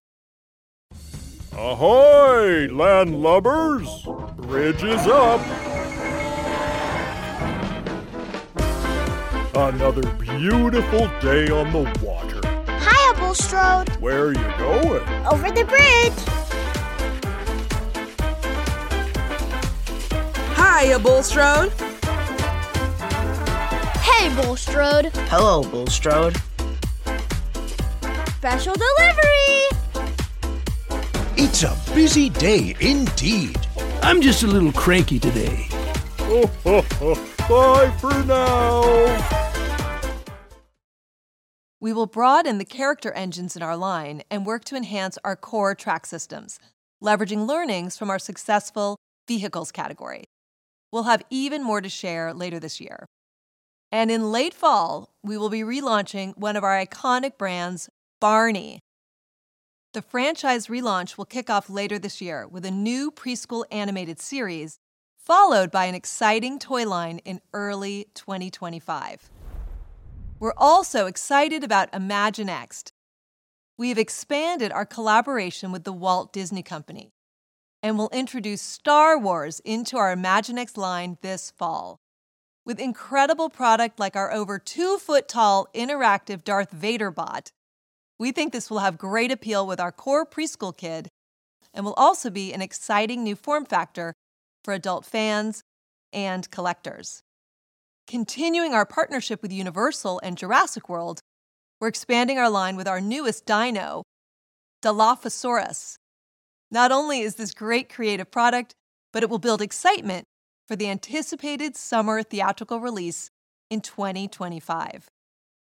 We will broaden the character engines in our line and work to enhance our core track systems, leveraging learnings from our successful vehicles category. We'll have even more to share later this year. In late fall, we will be relaunching one of our iconic brands, Barney. The franchise relaunch will kick off later this year with a new preschool animated series followed by an exciting toy line in early 2025. We're also excited about Imaginext. We have expanded our collaboration with the Walt Disney Company and will introduce Star Wars into our Imaginext line this fall. With incredible product like our over 2-foot-tall interactive Darth Vader Bot, we think this will have great appeal with our core preschool kid and will also be an exciting new form factor for adult fans and collectors. Continuing our partnership with Universal and Jurassic World, we're expanding our line with our newest dino, Dilophosaurus. Not only is this great creative product, but it will build excitement for the anticipated summer theatrical release in 2025.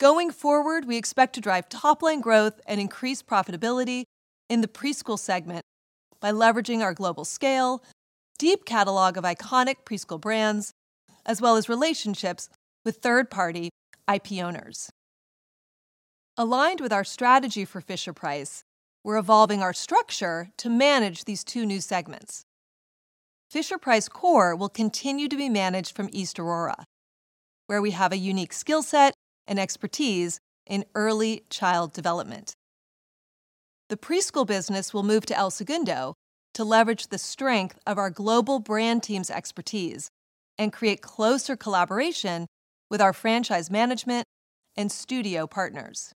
Going forward, we expect to drive top-line growth and increased profitability in the preschool segment by leveraging our global scale, deep catalog of iconic preschool brands, as well as relationships with third-party IP owners. Aligned with our strategy for Fisher-Price, we're evolving our structure to manage these two new segments. Fisher-Price Core will continue to be managed from East Aurora, where we have a unique skill set and expertise in early child development. The preschool business will move to El Segundo to leverage the strength of our global brand team's expertise and create closer collaboration with our franchise management and studio partners.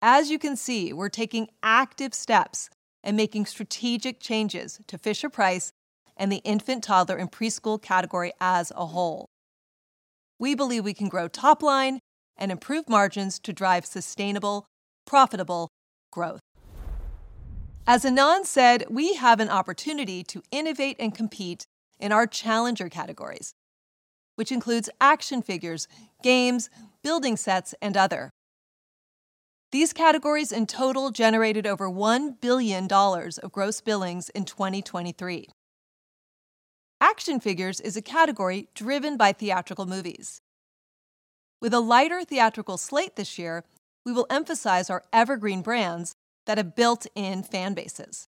As you can see, we're taking active steps and making strategic changes to Fisher-Price and the iInfant, Toddler, and Preschool category as a whole. We believe we can grow top-line and improve margins to drive sustainable, profitable growth. As Ynon said, we have an opportunity to innovate and compete in our Challenger categories, which includes action figures, games, building sets, and other. These categories in total generated over $1 billion of gross billings in 2023. Action figures is a category driven by theatrical movies. With a lighter theatrical slate this year, we will emphasize our evergreen brands that have built-in fanbases.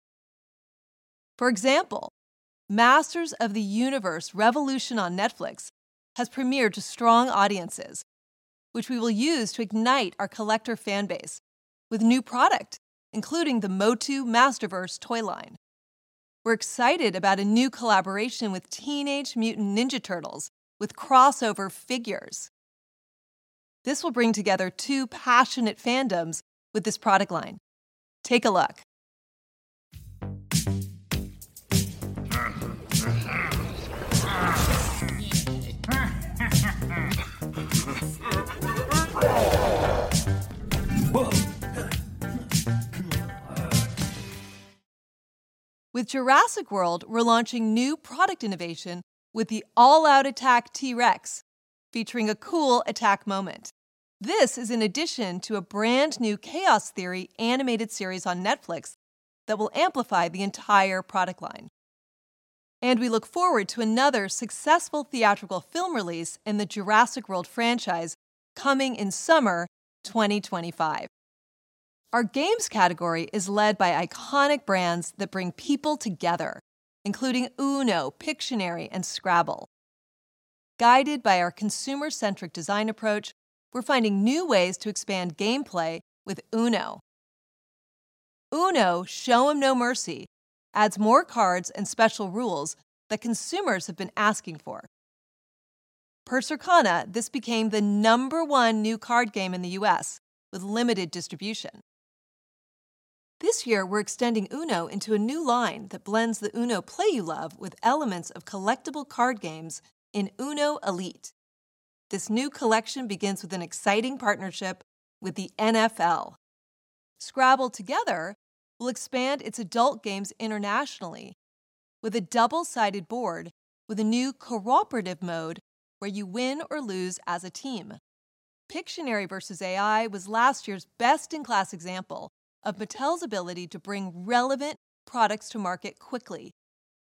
For example, Masters of the Universe: Revolution on Netflix has premiered to strong audiences, which we will use to ignite our collector fanbase with new product, including the MOTU Masterverse toy line. We're excited about a new collaboration with Teenage Mutant Ninja Turtles with crossover figures. This will bring together two passionate fandoms with this product line. Take a look. With Jurassic World, we're launching new product innovation with the All-Out Attack T-Rex featuring a cool attack moment. This is in addition to a brand new Chaos Theory animated series on Netflix that will amplify the entire product line. We look forward to another successful theatrical film release in the Jurassic World franchise coming in summer 2025. Our games category is led by iconic brands that bring people together, including UNO, Pictionary, and Scrabble. Guided by our consumer-centric design approach, we're finding new ways to expand gameplay with UNO. UNO Show 'Em No Mercy adds more cards and special rules that consumers have been asking for. Per Circana, this became the number one new card game in the U.S. with limited distribution. This year, we're extending UNO into a new line that blends the UNO Play You Love with elements of collectible card games in UNO Elite. This new collection begins with an exciting partnership with the NFL. Scrabble Together will expand its adult games internationally with a double-sided board with a new cooperative mode where you win or lose as a team. Pictionary versus AI was last year's best-in-class example of Mattel's ability to bring relevant products to market quickly,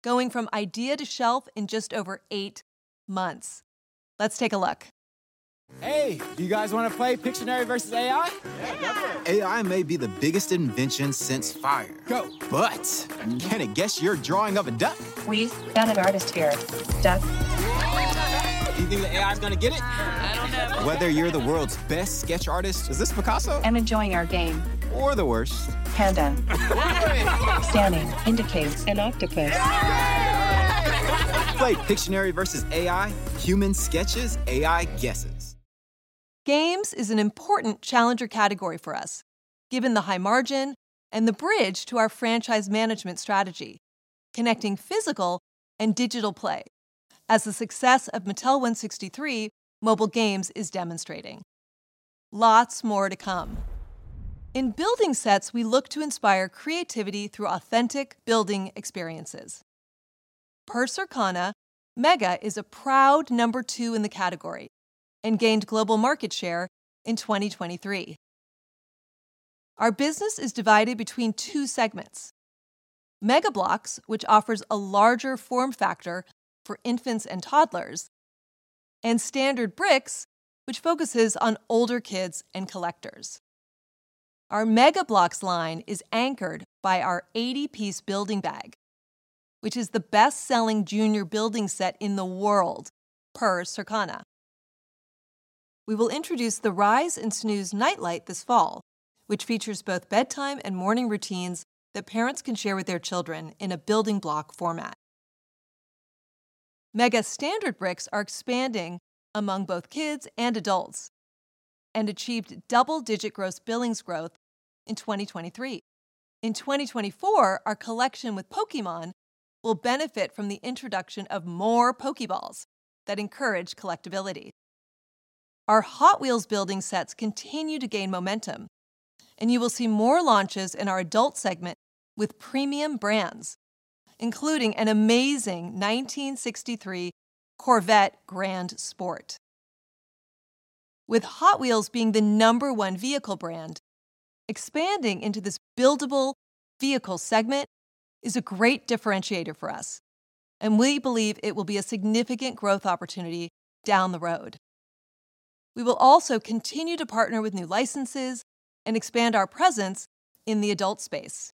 going from idea to shelf in just over eight months. Let's take a look. Games is an important Challenger category for us given the high margin and the bridge to our franchise management strategy, connecting physical and digital play as the success of Mattel163 mobile games is demonstrating. Lots more to come. In building sets, we look to inspire creativity through authentic building experiences. Per Circana, Mega is a proud number two in the category and gained global market share in 2023. Our business is divided between two segments: Mega Bloks, which offers a larger form factor for infants and toddlers, and Standard Bricks, which focuses on older kids and collectors. Our Mega Bloks line is anchored by our 80-piece Building Bag, which is the best-selling junior building set in the world per Circana. We will introduce the Rise & Snooze Nightlight this fall, which features both bedtime and morning routines that parents can share with their children in a Building Block format. MEGA Standard Bricks are expanding among both kids and adults and achieved double-digit gross billings growth in 2023. In 2024, our collection with Pokémon will benefit from the introduction of more Pokéballs that encourage collectibility. Our Hot Wheels building sets continue to gain momentum, and you will see more launches in our adult segment with premium brands, including an amazing 1963 Corvette Grand Sport. With Hot Wheels being the number one vehicle brand, expanding into this buildable vehicle segment is a great differentiator for us, and we believe it will be a significant growth opportunity down the road. We will also continue to partner with new licenses and expand our presence in the adult space.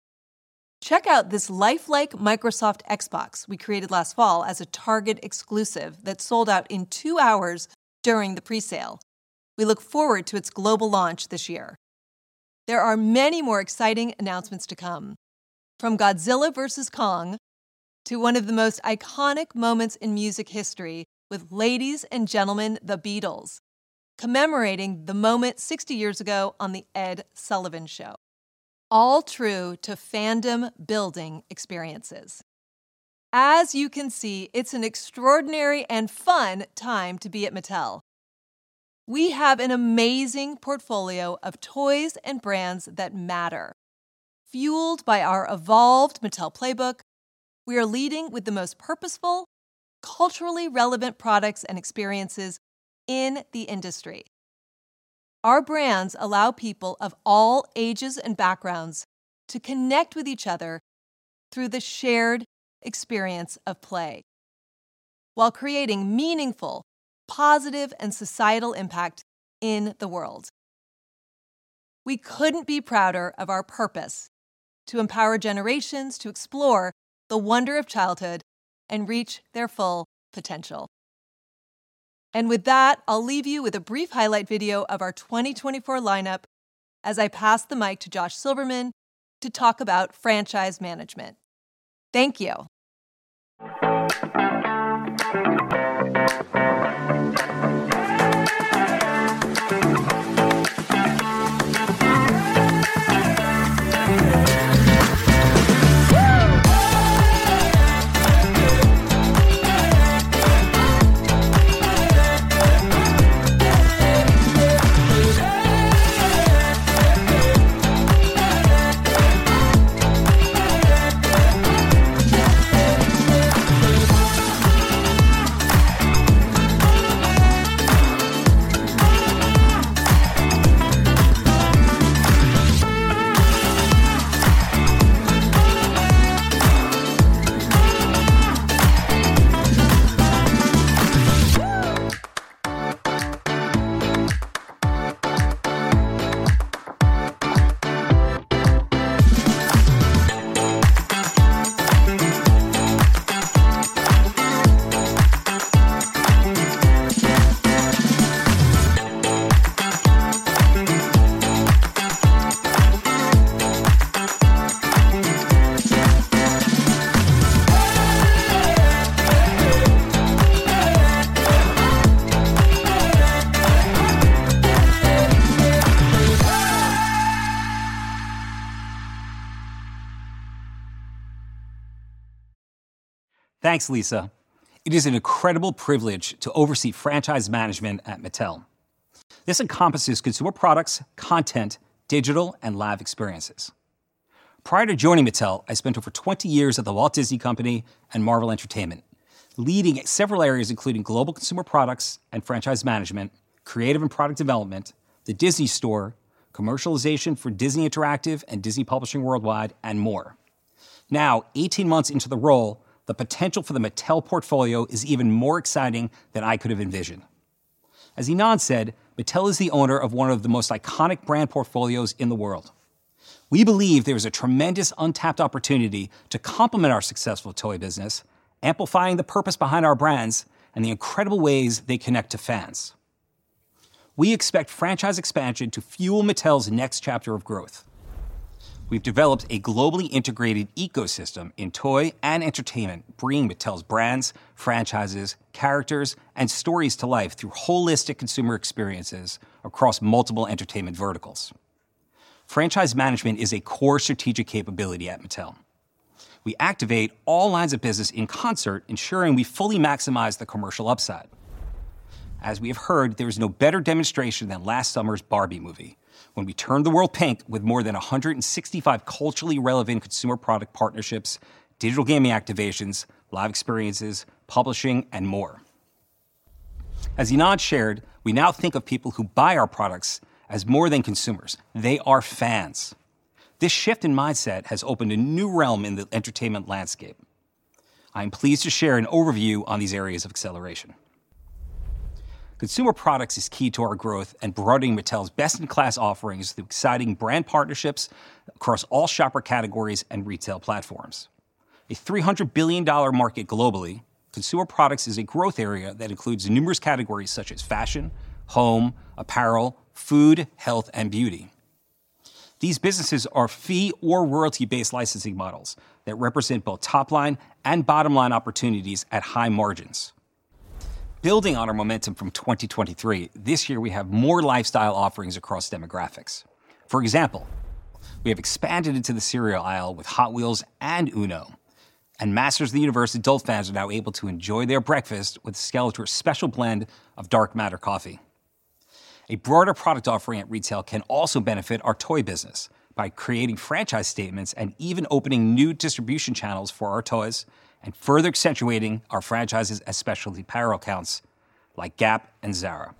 Check out this lifelike Microsoft Xbox we created last fall as a Target exclusive that sold out in two hours during the presale. We look forward to its global launch this year. There are many more exciting announcements to come, from Godzilla versus Kong to one of the most iconic moments in music history with Ladies and Gentlemen, The Beatles! commemorating the moment 60 years ago on the Ed Sullivan Show. All true to fandom building experiences. As you can see, it's an extraordinary and fun time to be at Mattel. We have an amazing portfolio of toys and brands that matter. Fueled by our evolved Mattel Playbook, we are leading with the most purposeful, culturally relevant products and experiences in the industry. Our brands allow people of all ages and backgrounds to connect with each other through the shared experience of play while creating meaningful, positive, and societal impact in the world. We couldn't be prouder of our purpose: to empower generations to explore the wonder of childhood and reach their full potential. With that, I'll leave you with a brief highlight video of our 2024 lineup as I pass the mic to Josh Silverman to talk about franchise management. Thank you. Thanks, Lisa. It is an incredible privilege to oversee franchise management at Mattel. This encompasses consumer products, content, digital, and live experiences. Prior to joining Mattel, I spent over 20 years at the Walt Disney Company and Marvel Entertainment, leading several areas including global consumer products and franchise management, creative and product development, the Disney Store, commercialization for Disney Interactive and Disney Publishing Worldwide, and more. Now, 18 months into the role, the potential for the Mattel portfolio is even more exciting than I could have envisioned. As Ynon said, Mattel is the owner of one of the most iconic brand portfolios in the world. We believe there is a tremendous untapped opportunity to complement our successful toy business, amplifying the purpose behind our brands and the incredible ways they connect to fans. We expect franchise expansion to fuel Mattel's next chapter of growth. We've developed a globally integrated ecosystem in toy and entertainment, bringing Mattel's brands, franchises, characters, and stories to life through holistic consumer experiences across multiple entertainment verticals. Franchise management is a core strategic capability at Mattel. We activate all lines of business in concert, ensuring we fully maximize the commercial upside. As we have heard, there is no better demonstration than last summer's Barbie movie when we turned the world pink with more than 165 culturally relevant consumer product partnerships, digital gaming activations, live experiences, publishing, and more. As Ynon shared, we now think of people who buy our products as more than consumers; they are fans. This shift in mindset has opened a new realm in the entertainment landscape. I am pleased to share an overview on these areas of acceleration. Consumer products is key to our growth and broadening Mattel's best-in-class offerings through exciting brand partnerships across all shopper categories and retail platforms. A $300 billion market globally, consumer products is a growth area that includes numerous categories such as fashion, home, apparel, food, health, and beauty. These businesses are fee- or royalty-based licensing models that represent both top-line and bottom-line opportunities at high margins. Building on our momentum from 2023, this year we have more lifestyle offerings across demographics. For example, we have expanded into the cereal aisle with Hot Wheels and UNO, and Masters of the Universe adult fans are now able to enjoy their breakfast with Skeletor's special blend of Dark Matter Coffee. A broader product offering at retail can also benefit our toy business by creating franchise statements and even opening new distribution channels for our toys and further accentuating our franchises as specialty apparel accounts like Gap and Zara.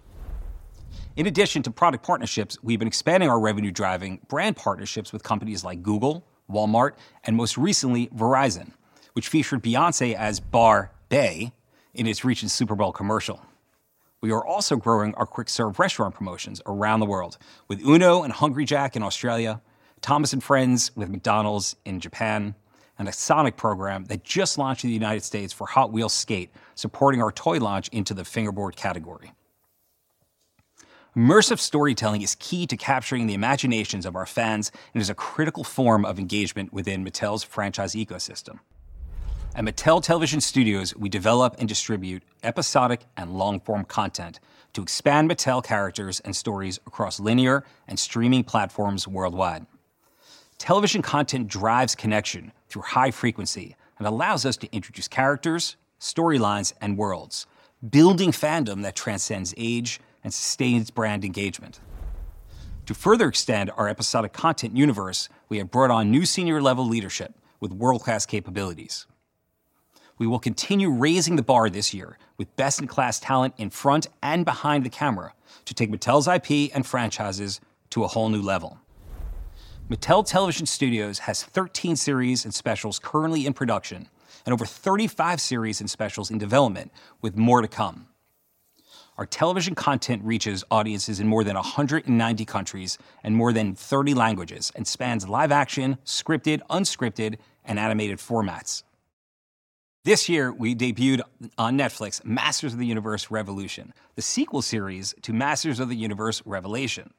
In addition to product partnerships, we've been expanding our revenue-driving brand partnerships with companies like Google, Walmart, and most recently, Verizon, which featured Beyoncé as Barbie in its recent Super Bowl commercial. We are also growing our quick-serve restaurant promotions around the world with UNO and Hungry Jack's in Australia, Thomas & Friends with McDonald's in Japan, and a Sonic program that just launched in the United States for Hot Wheels Skate, supporting our toy launch into the fingerboard category. Immersive storytelling is key to capturing the imaginations of our fans and is a critical form of engagement within Mattel's franchise ecosystem. At Mattel Television Studios, we develop and distribute episodic and long-form content to expand Mattel characters and stories across linear and streaming platforms worldwide. Television content drives connection through high frequency and allows us to introduce characters, storylines, and worlds, building fandom that transcends age and sustains brand engagement. To further extend our episodic content universe, we have brought on new senior-level leadership with world-class capabilities. We will continue raising the bar this year with best-in-class talent in front and behind the camera to take Mattel's IP and franchises to a whole new level. Mattel Television Studios has 13 series and specials currently in production and over 35 series and specials in development with more to come. Our television content reaches audiences in more than 190 countries and more than 30 languages and spans live-action, scripted, unscripted, and animated formats. This year, we debuted on Netflix Masters of the Universe: Revolution, the sequel series to Masters of the Universe: Revelation.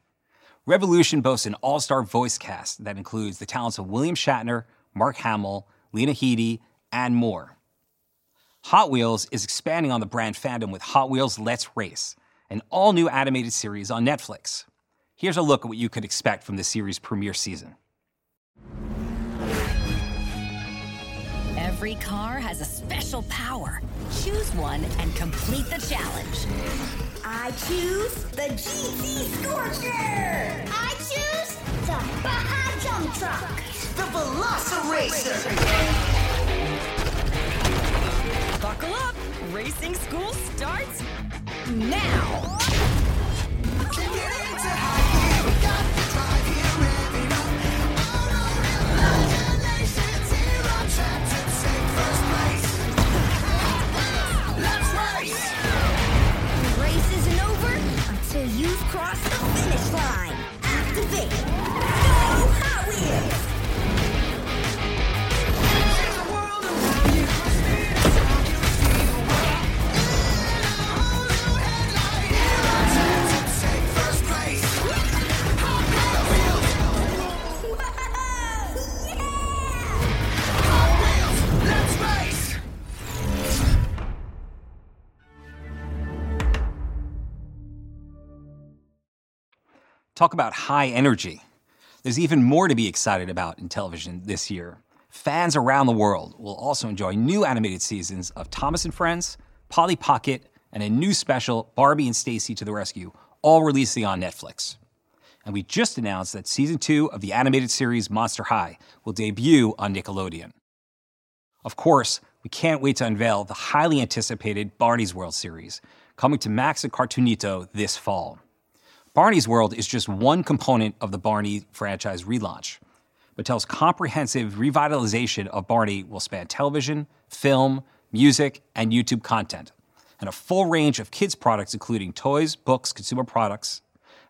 Revolution boasts an all-star voice cast that includes the talents of William Shatner, Mark Hamill, Lena Headey, and more. Hot Wheels is expanding on the brand fandom with Hot Wheels: Let's Race, an all-new animated series on Netflix. Here's a look at what you could expect from the series' premiere season. Talk about high energy. There's even more to be excited about in television this year. Fans around the world will also enjoy new animated seasons of Thomas & Friends, Polly Pocket, and a new special, Barbie and Stacie to the Rescue, all releasing on Netflix. We just announced that season two of the animated series Monster High will debut on Nickelodeon. Of course, we can't wait to unveil the highly anticipated Barney's World series, coming to Max and Cartoonito this fall. Barney's World is just one component of the Barney franchise relaunch. Mattel's comprehensive revitalization of Barney will span television, film, music, and YouTube content, and a full range of kids' products including toys, books, consumer products,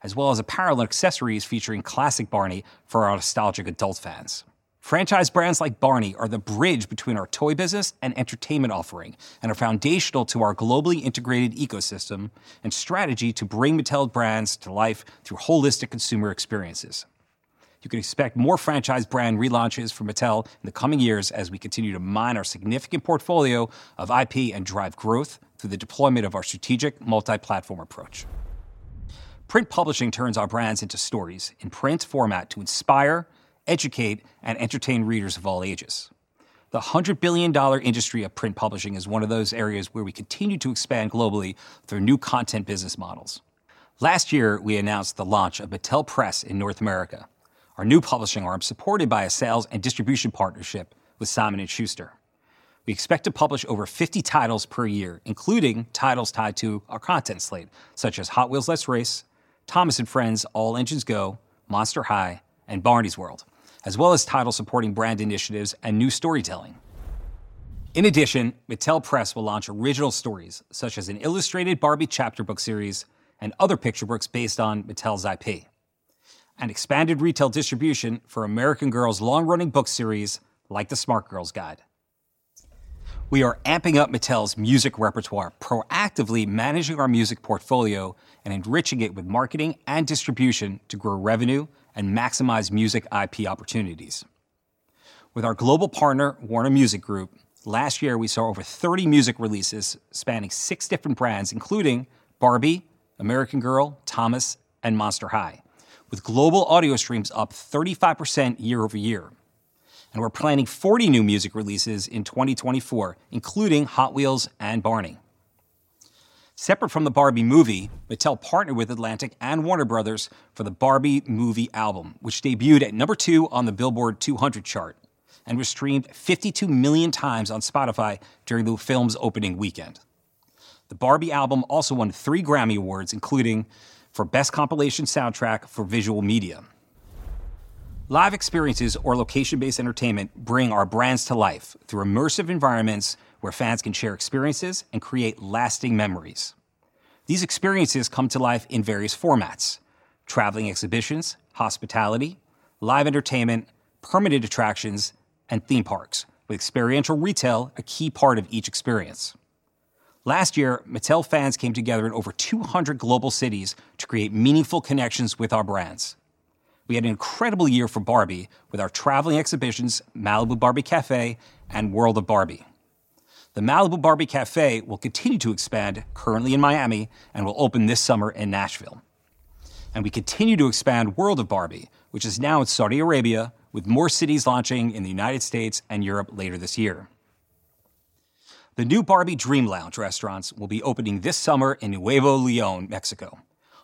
as well as apparel and accessories featuring classic Barney for our nostalgic adult fans. Franchise brands like Barney are the bridge between our toy business and entertainment offering and are foundational to our globally integrated ecosystem and strategy to bring Mattel brands to life through holistic consumer experiences. You can expect more franchise brand relaunches from Mattel in the coming years as we continue to mine our significant portfolio of IP and drive growth through the deployment of our strategic multi-platform approach. Print publishing turns our brands into stories in print format to inspire, educate, and entertain readers of all ages. The $100 billion industry of print publishing is one of those areas where we continue to expand globally through new content business models. Last year, we announced the launch of Mattel Press in North America, our new publishing arm supported by a sales and distribution partnership with Simon & Schuster. We expect to publish over 50 titles per year, including titles tied to our content slate, such as Hot Wheels: Let's Race, Thomas & Friends: All Engines Go, Monster High, and Barney's World, as well as titles supporting brand initiatives and new storytelling. In addition, Mattel Press will launch original stories such as an illustrated Barbie chapter book series and other picture books based on Mattel's IP, and expanded retail distribution for American Girl's long-running book series like The Smart Girl's Guide. We are amping up Mattel's music repertoire, proactively managing our music portfolio and enriching it with marketing and distribution to grow revenue and maximize music IP opportunities. With our global partner, Warner Music Group, last year we saw over 30 music releases spanning six different brands, including Barbie, American Girl, Thomas, and Monster High, with global audio streams up 35% year-over-year. We're planning 40 new music releases in 2024, including Hot Wheels and Barney. Separate from the Barbie movie, Mattel partnered with Atlantic and Warner Bros. for the Barbie movie album, which debuted at number two on the Billboard 200 chart and was streamed 52 million times on Spotify during the film's opening weekend. The Barbie album also won three Grammy Awards, including for Best Compilation Soundtrack for Visual Media. Live experiences or location-based entertainment bring our brands to life through immersive environments where fans can share experiences and create lasting memories. These experiences come to life in various formats: traveling exhibitions, hospitality, live entertainment, permitted attractions, and theme parks, with experiential retail a key part of each experience. Last year, Mattel fans came together in over 200 global cities to create meaningful connections with our brands. We had an incredible year for Barbie with our traveling exhibitions, Malibu Barbie Café, and World of Barbie. The Malibu Barbie Café will continue to expand currently in Miami and will open this summer in Nashville. We continue to expand World of Barbie, which is now in Saudi Arabia, with more cities launching in the United States and Europe later this year. The new Barbie Dream Lounge restaurants will be opening this summer in Nuevo León, Mexico,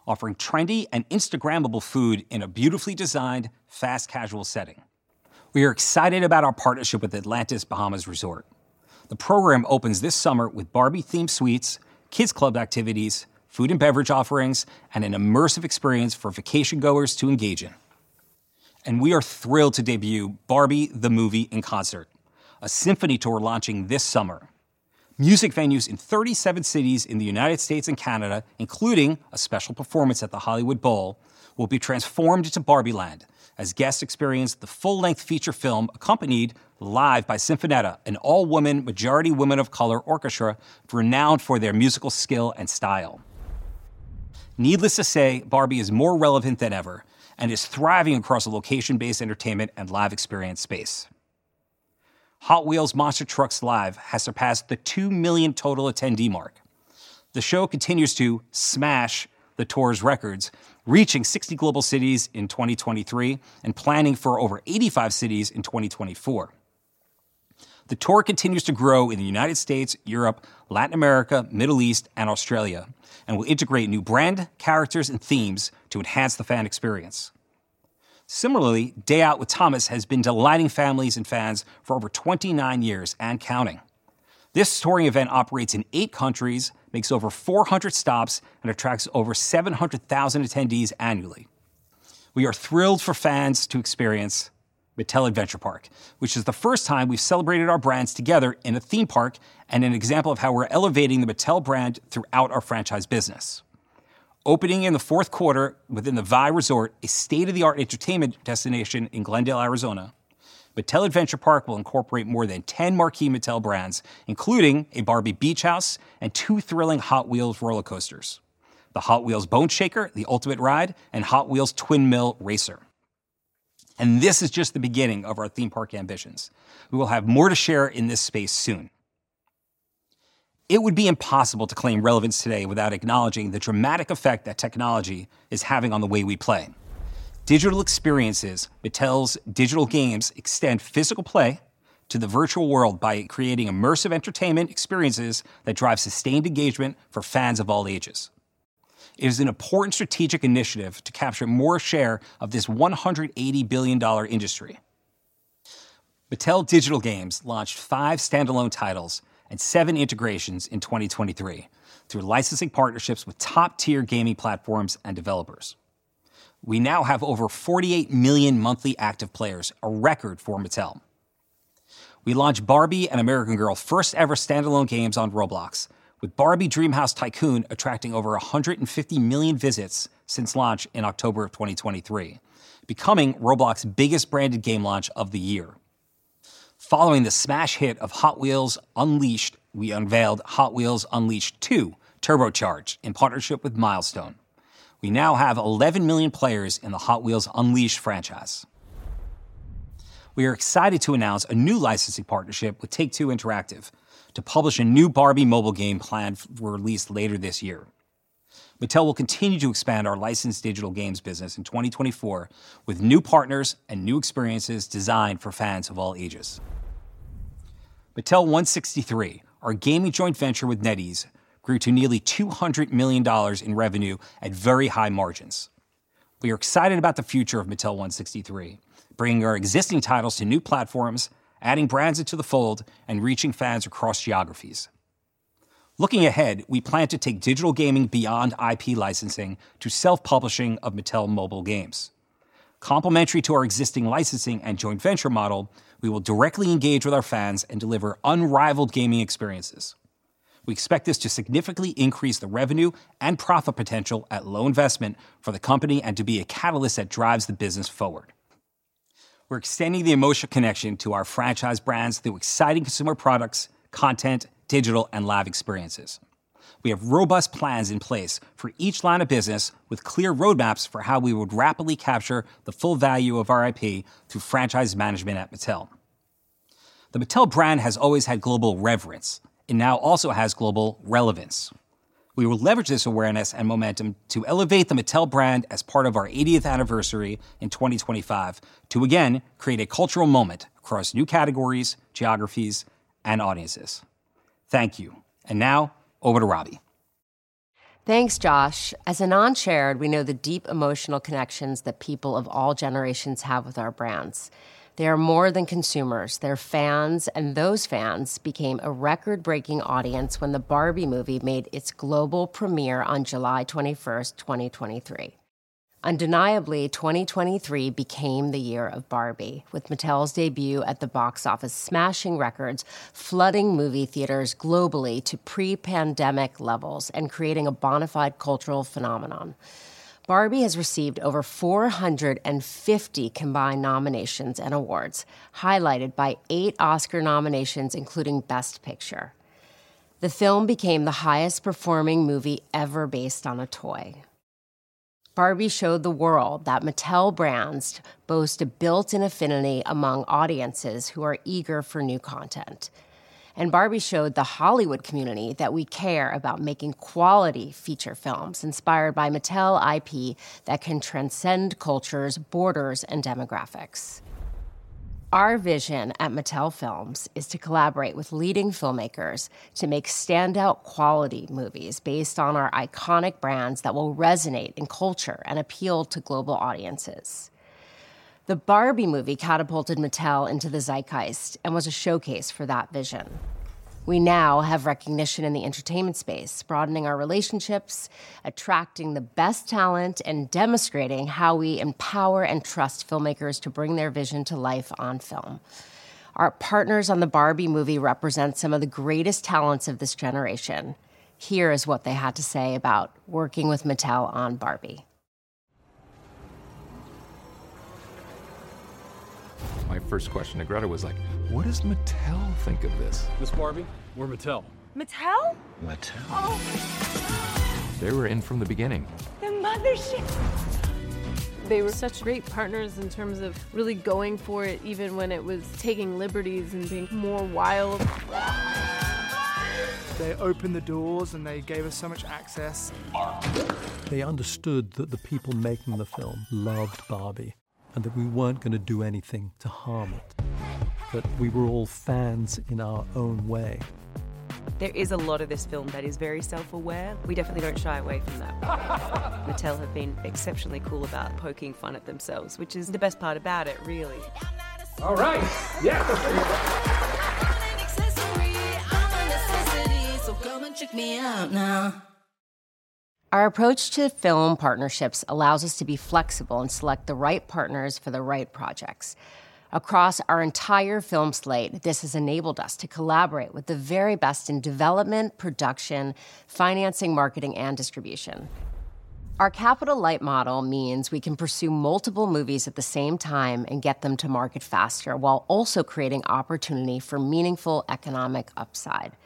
offering trendy and Instagrammable food in a beautifully designed, fast-casual setting. We are excited about our partnership with Atlantis Bahamas Resort. The program opens this summer with Barbie-themed suites, kids' club activities, food and beverage offerings, and an immersive experience for vacation-goers to engage in. We are thrilled to debut Barbie: The Movie In Concert, a symphony tour launching this summer. Music venues in 37 cities in the United States and Canada, including a special performance at the Hollywood Bowl, will be transformed into Barbie Land as guests experience the full-length feature film accompanied live by Sinfonietta, an all-women, majority-woman-of-color orchestra renowned for their musical skill and style. Needless to say, Barbie is more relevant than ever and is thriving across a location-based entertainment and live-experience space. Hot Wheels Monster Trucks Live has surpassed the 2 million total attendee mark. The show continues to smash the tour's records, reaching 60 global cities in 2023 and planning for over 85 cities in 2024. The tour continues to grow in the United States, Europe, Latin America, Middle East, and Australia, and will integrate new brand, characters, and themes to enhance the fan experience. Similarly, Day Out with Thomas has been delighting families and fans for over 29 years and counting. This touring event operates in eight countries, makes over 400 stops, and attracts over 700,000 attendees annually. We are thrilled for fans to experience Mattel Adventure Park, which is the first time we've celebrated our brands together in a theme park and an example of how we're elevating the Mattel brand throughout our franchise business. Opening in the Q4 within the VAI Resort, a state-of-the-art entertainment destination in Glendale, Arizona, Mattel Adventure Park will incorporate more than 10 marquee Mattel brands, including a Barbie beach house and two thrilling Hot Wheels roller coasters: the Hot Wheels Bone Shaker: The Ultimate Ride, and Hot Wheels Twin Mill Racer. This is just the beginning of our theme park ambitions. We will have more to share in this space soon. It would be impossible to claim relevance today without acknowledging the dramatic effect that technology is having on the way we play. Digital experiences, Mattel Digital Games, extend physical play to the virtual world by creating immersive entertainment experiences that drive sustained engagement for fans of all ages. It is an important strategic initiative to capture more share of this $180 billion industry. Mattel Digital Games launched five standalone titles and seven integrations in 2023 through licensing partnerships with top-tier gaming platforms and developers. We now have over 48 million monthly active players, a record for Mattel. We launched Barbie and American Girl's first-ever standalone games on Roblox, with Barbie Dreamhouse Tycoon attracting over 150 million visits since launch in October of 2023, becoming Roblox's biggest branded game launch of the year. Following the smash hit of Hot Wheels: Unleashed, we unveiled Hot Wheels Unleashed 2: Turbocharged in partnership with Milestone. We now have 11 million players in the Hot Wheels: Unleashed franchise. We are excited to announce a new licensing partnership with Take-Two Interactive to publish a new Barbie mobile game planned for release later this year. Mattel will continue to expand our licensed digital games business in 2024 with new partners and new experiences designed for fans of all ages. Mattel163, our gaming joint venture with NetEase, grew to nearly $200 million in revenue at very high margins. We are excited about the future of Mattel163, bringing our existing titles to new platforms, adding brands into the fold, and reaching fans across geographies. Looking ahead, we plan to take digital gaming beyond IP licensing to self-publishing of Mattel mobile games. Complementary to our existing licensing and joint venture model, we will directly engage with our fans and deliver unrivaled gaming experiences. We expect this to significantly increase the revenue and profit potential at low investment for the company and to be a catalyst that drives the business forward. We're extending the emotional connection to our franchise brands through exciting consumer products, content, digital, and live experiences. We have robust plans in place for each line of business with clear roadmaps for how we would rapidly capture the full value of our IP through franchise management at Mattel. The Mattel brand has always had global reverence and now also has global relevance. We will leverage this awareness and momentum to elevate the Mattel brand as part of our 80th anniversary in 2025 to, again, create a cultural moment across new categories, geographies, and audiences. Thank you. And now, over to Robbie. Thanks, Josh. As an owner, we know the deep emotional connections that people of all generations have with our brands. They are more than consumers. They're fans. Those fans became a record-breaking audience when the Barbie movie made its global premiere on July 21st, 2023. Undeniably, 2023 became the year of Barbie, with Mattel's debut at the box office smashing records, flooding movie theaters globally to pre-pandemic levels and creating a bona fide cultural phenomenon. Barbie has received over 450 combined nominations and awards, highlighted by eight Oscar nominations, including Best Picture. The film became the highest-performing movie ever based on a toy. Barbie showed the world that Mattel brands boast a built-in affinity among audiences who are eager for new content. Barbie showed the Hollywood community that we care about making quality feature films inspired by Mattel IP that can transcend cultures, borders, and demographics. Our vision at Mattel Films is to collaborate with leading filmmakers to make standout quality movies based on our iconic brands that will resonate in culture and appeal to global audiences. The Barbie movie catapulted Mattel into the zeitgeist and was a showcase for that vision. We now have recognition in the entertainment space, broadening our relationships, attracting the best talent, and demonstrating how we empower and trust filmmakers to bring their vision to life on film. Our partners on the Barbie movie represent some of the greatest talents of this generation. Here is what they had to say about working with Mattel on Barbie. Our approach to film partnerships allows us to be flexible and select the right partners for the right projects. Across our entire film slate, this has enabled us to collaborate with the very best in development, production, financing, marketing, and distribution. Our Capital Light Model means we can pursue multiple movies at the same time and get them to market faster while also creating opportunity for meaningful economic upside.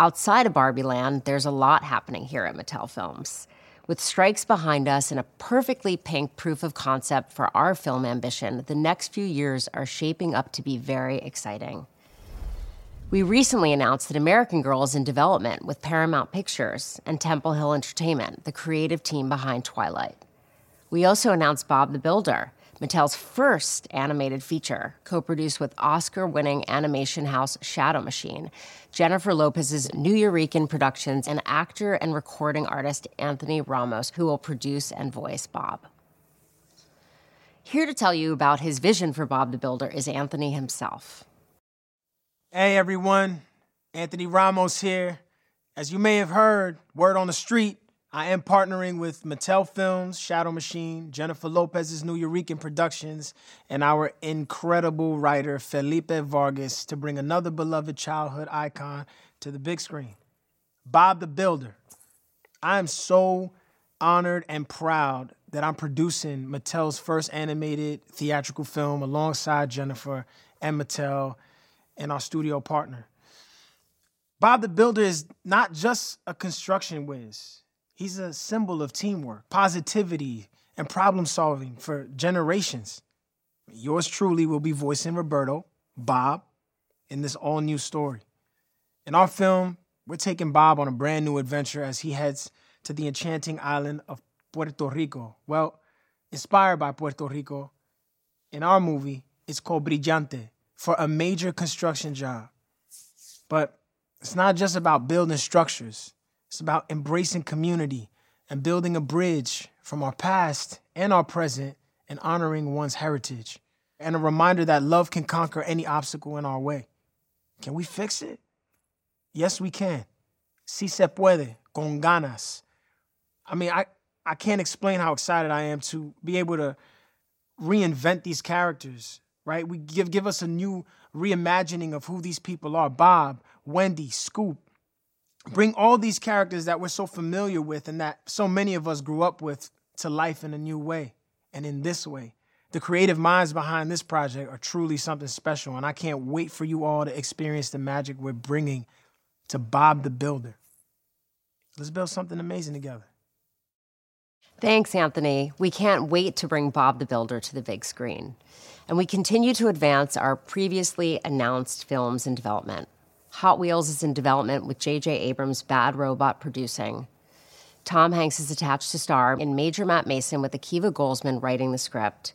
Outside of Barbie Land, there's a lot happening here at Mattel Films. With strikes behind us and a perfectly pink proof of concept for our film ambition, the next few years are shaping up to be very exciting. We recently announced that American Girl is in development with Paramount Pictures and Temple Hill Entertainment, the creative team behind Twilight. We also announced Bob the Builder, Mattel's first animated feature, co-produced with Oscar-winning animation house ShadowMachine, Jennifer Lopez's Nuyorican Productions, and actor and recording artist Anthony Ramos, who will produce and voice Bob. Here to tell you about his vision for Bob the Builder is Anthony himself. Hey, everyone. Anthony Ramos here. As you may have heard, word on the street, I am partnering with Mattel Films, ShadowMachine, Jennifer Lopez's Nuyorican Productions, and our incredible writer, Felipe Vargas, to bring another beloved childhood icon to the big screen. Bob the Builder, I am so honored and proud that I'm producing Mattel's first animated theatrical film alongside Jennifer and Mattel and our studio partner. Bob the Builder is not just a construction whiz. He's a symbol of teamwork, positivity, and problem-solving for generations. Yours truly will be voicing Roberto, Bob, in this all-new story. In our film, we're taking Bob on a brand new adventure as he heads to the enchanting island of Puerto Rico, well, inspired by Puerto Rico. In our movie, it's called Brillante, for a major construction job. But it's not just about building structures. It's about embracing community and building a bridge from our past and our present and honoring one's heritage and a reminder that love can conquer any obstacle in our way. Can we fix it? Yes, we can. Si se puede, con ganas. I mean, I can't explain how excited I am to be able to reinvent these characters, right? Give us a new reimagining of who these people are: Bob, Wendy, Scoop. Bring all these characters that we're so familiar with and that so many of us grew up with to life in a new way. In this way, the creative minds behind this project are truly something special. I can't wait for you all to experience the magic we're bringing to Bob the Builder. Let's build something amazing together. Thanks, Anthony. We can't wait to bring Bob the Builder to the big screen. We continue to advance our previously announced films in development. Hot Wheels is in development with J.J. Abrams' Bad Robot producing. Tom Hanks is attached to star in Major Matt Mason with Akiva Goldsman writing the script.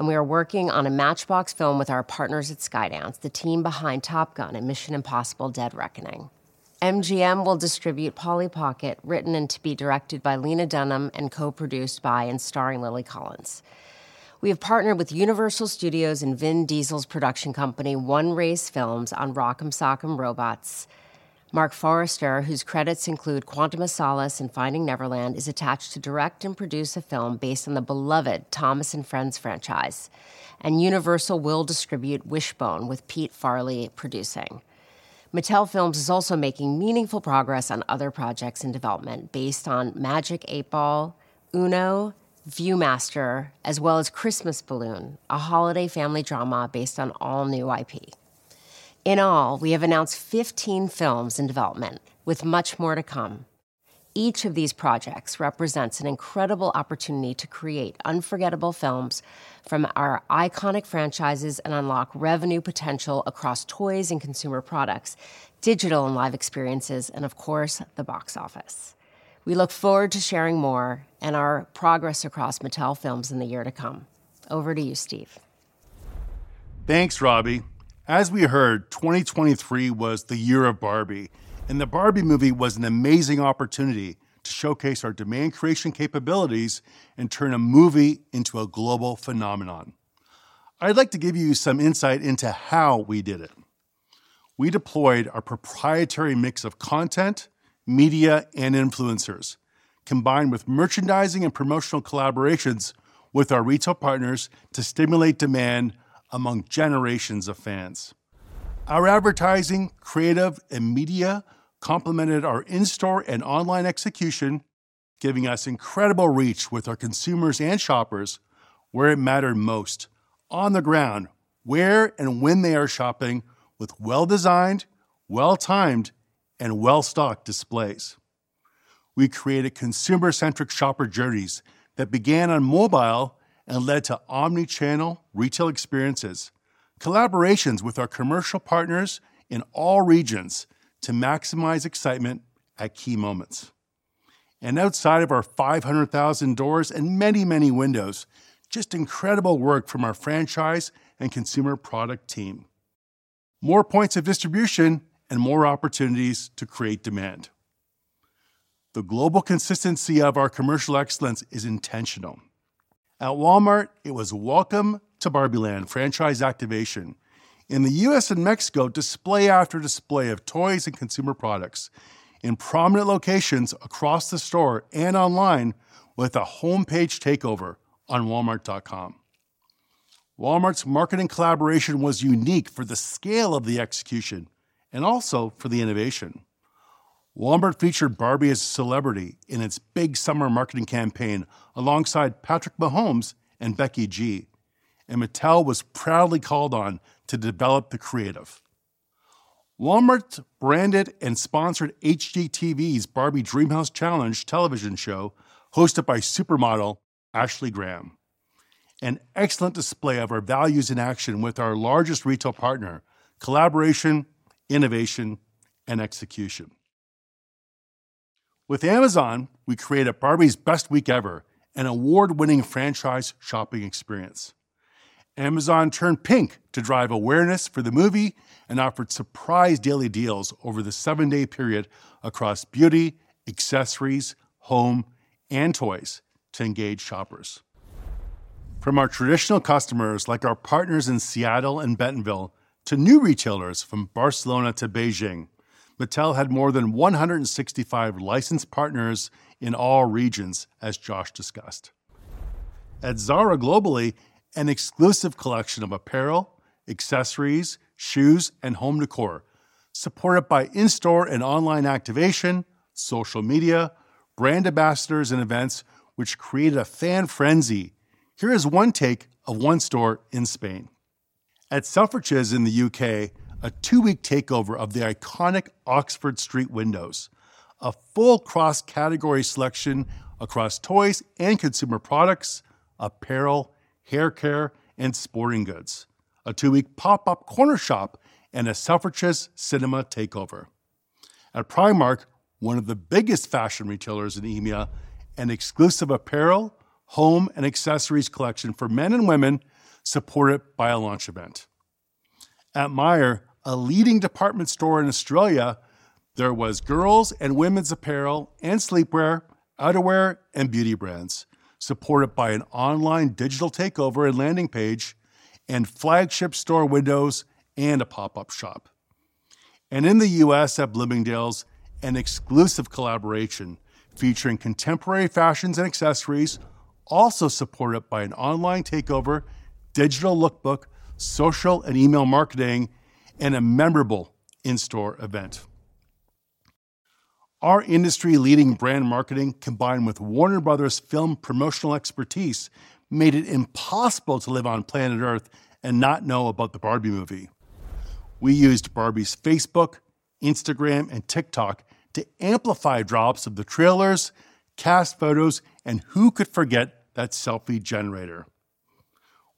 We are working on a Matchbox film with our partners at Skydance, the team behind Top Gun and Mission: Impossible - Dead Reckoning. MGM will distribute Polly Pocket, written and to be directed by Lena Dunham and co-produced by and starring Lily Collins. We have partnered with Universal Studios and Vin Diesel's production company, One Race Films, on Rock 'Em Sock 'Em Robots. Marc Forster, whose credits include Quantum of Solace and Finding Neverland, is attached to direct and produce a film based on the beloved Thomas & Friends franchise. Universal will distribute Wishbone with Peter Farrelly producing. Mattel Films is also making meaningful progress on other projects in development based on Magic 8 Ball, UNO, View-Master, as well as Christmas Balloon: a holiday family drama based on all-new IP. In all, we have announced 15 films in development with much more to come. Each of these projects represents an incredible opportunity to create unforgettable films from our iconic franchises and unlock revenue potential across toys and consumer products, digital and live experiences, and, of course, the box office. We look forward to sharing more and our progress across Mattel Films in the year to come. Over to you, Steve. Thanks, Robbie. As we heard, 2023 was the year of Barbie. The Barbie movie was an amazing opportunity to showcase our demand creation capabilities and turn a movie into a global phenomenon. I'd like to give you some insight into how we did it. We deployed our proprietary mix of content, media, and influencers, combined with merchandising and promotional collaborations with our retail partners to stimulate demand among generations of fans. Our advertising, creative, and media complemented our in-store and online execution, giving us incredible reach with our consumers and shoppers where it mattered most: on the ground, where and when they are shopping, with well-designed, well-timed, and well-stocked displays. We created consumer-centric shopper journeys that began on mobile and led to omnichannel retail experiences, collaborations with our commercial partners in all regions to maximize excitement at key moments. Outside of our 500,000 doors and many, many windows, just incredible work from our franchise and consumer product team. More points of distribution and more opportunities to create demand. The global consistency of our commercial excellence is intentional. At Walmart, it was Welcome to Barbie Land: Franchise Activation. In the U.S. and Mexico, display after display of toys and consumer products in prominent locations across the store and online with a homepage takeover on Walmart.com. Walmart's marketing collaboration was unique for the scale of the execution and also for the innovation. Walmart featured Barbie as a celebrity in its big summer marketing campaign alongside Patrick Mahomes and Becky G. Mattel was proudly called on to develop the creative. Walmart branded and sponsored HGTV's Barbie Dreamhouse Challenge television show hosted by supermodel Ashley Graham. An excellent display of our values in action with our largest retail partner: collaboration, innovation, and execution. With Amazon, we created Barbie's Best Week Ever, an award-winning franchise shopping experience. Amazon turned pink to drive awareness for the movie and offered surprise daily deals over the seven-day period across beauty, accessories, home, and toys to engage shoppers. From our traditional customers like our partners in Seattle and Bentonville to new retailers from Barcelona to Beijing, Mattel had more than 165 licensed partners in all regions, as Josh discussed. At Zara globally, an exclusive collection of apparel, accessories, shoes, and home décor supported by in-store and online activation, social media, brand ambassadors, and events which created a fan frenzy. Here is one take of one store in Spain. At Selfridges in the U.K., a two-week takeover of the iconic Oxford Street windows. A full cross-category selection across toys and consumer products, apparel, haircare, and sporting goods. A two-week pop-up corner shop and a Selfridges cinema takeover. At Primark, one of the biggest fashion retailers in EMEA, an exclusive apparel, home, and accessories collection for men and women supported by a launch event. At Myer, a leading department store in Australia, there was girls' and women's apparel and sleepwear, outerwear, and beauty brands supported by an online digital takeover and landing page, and flagship store windows and a pop-up shop. In the U.S., at Bloomingdale's, an exclusive collaboration featuring contemporary fashions and accessories also supported by an online takeover, digital lookbook, social and email marketing, and a memorable in-store event. Our industry-leading brand marketing, combined with Warner Bros.' film promotional expertise, made it impossible to live on planet Earth and not know about the Barbie movie. We used Barbie's Facebook, Instagram, and TikTok to amplify drops of the trailers, cast photos, and who could forget that selfie generator.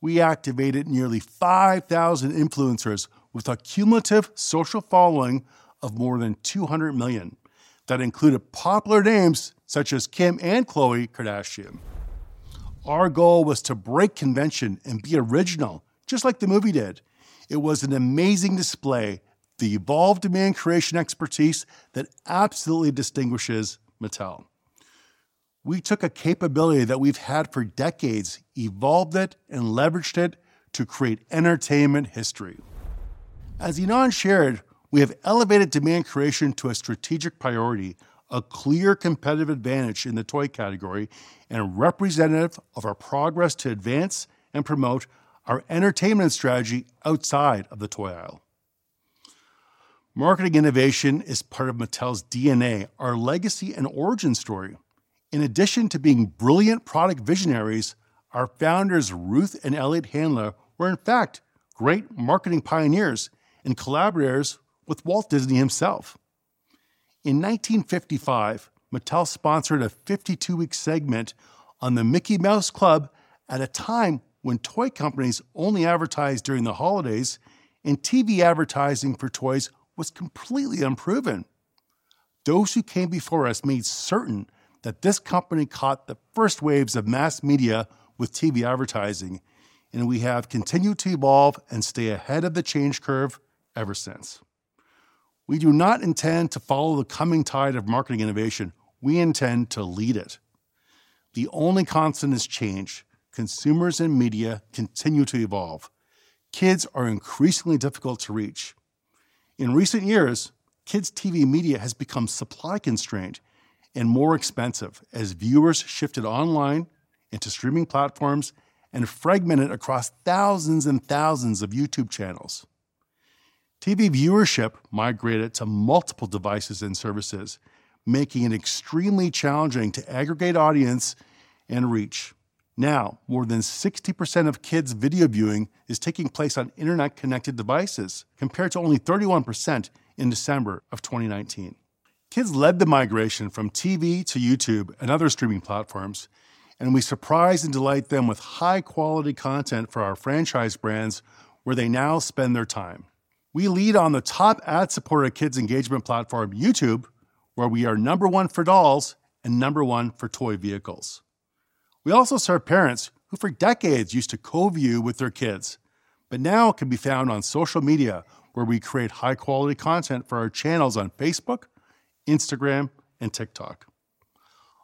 We activated nearly 5,000 influencers with a cumulative social following of more than 200 million that included popular names such as Kim and Khloé Kardashian. Our goal was to break convention and be original, just like the movie did. It was an amazing display, the evolved demand creation expertise that absolutely distinguishes Mattel. We took a capability that we've had for decades, evolved it, and leveraged it to create entertainment history. As Ynon shared, we have elevated demand creation to a strategic priority, a clear competitive advantage in the toy category, and a representative of our progress to advance and promote our entertainment strategy outside of the toy aisle. Marketing innovation is part of Mattel's DNA, our legacy and origin story. In addition to being brilliant product visionaries, our founders, Ruth and Elliot Handler, were, in fact, great marketing pioneers and collaborators with Walt Disney himself. In 1955, Mattel sponsored a 52-week segment on the Mickey Mouse Club at a time when toy companies only advertised during the holidays and TV advertising for toys was completely unproven. Those who came before us made certain that this company caught the first waves of mass media with TV advertising, and we have continued to evolve and stay ahead of the change curve ever since. We do not intend to follow the coming tide of marketing innovation. We intend to lead it. The only constant is change. Consumers and media continue to evolve. Kids are increasingly difficult to reach. In recent years, kids' TV media has become supply-constrained and more expensive as viewers shifted online into streaming platforms and fragmented across thousands and thousands of YouTube channels. TV viewership migrated to multiple devices and services, making it extremely challenging to aggregate audience and reach. Now, more than 60% of kids' video viewing is taking place on internet-connected devices compared to only 31% in December of 2019. Kids led the migration from TV to YouTube and other streaming platforms, and we surprise and delight them with high-quality content for our franchise brands where they now spend their time. We lead on the top ad-supported kids' engagement platform, YouTube, where we are number one for dolls and number one for toy vehicles. We also serve parents who for decades used to co-view with their kids but now can be found on social media where we create high-quality content for our channels on Facebook, Instagram, and TikTok.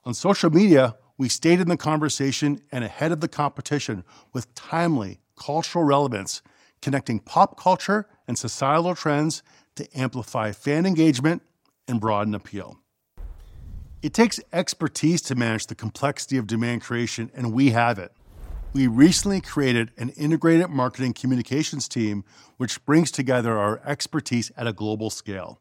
On social media, we stayed in the conversation and ahead of the competition with timely cultural relevance, connecting pop culture and societal trends to amplify fan engagement and broaden appeal. It takes expertise to manage the complexity of demand creation, and we have it. We recently created an integrated marketing communications team which brings together our expertise at a global scale.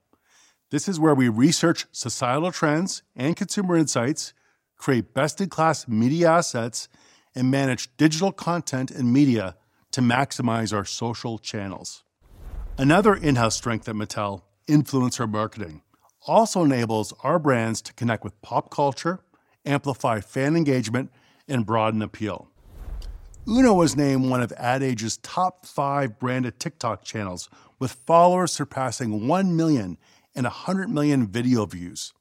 This is where we research societal trends and consumer insights, create best-in-class media assets, and manage digital content and media to maximize our social channels. Another in-house strength at Mattel, influencer marketing, also enables our brands to connect with pop culture, amplify fan engagement, and broaden appeal. UNO was named one of Ad Age's top five branded TikTok channels with followers surpassing 1 million and 100 million video views.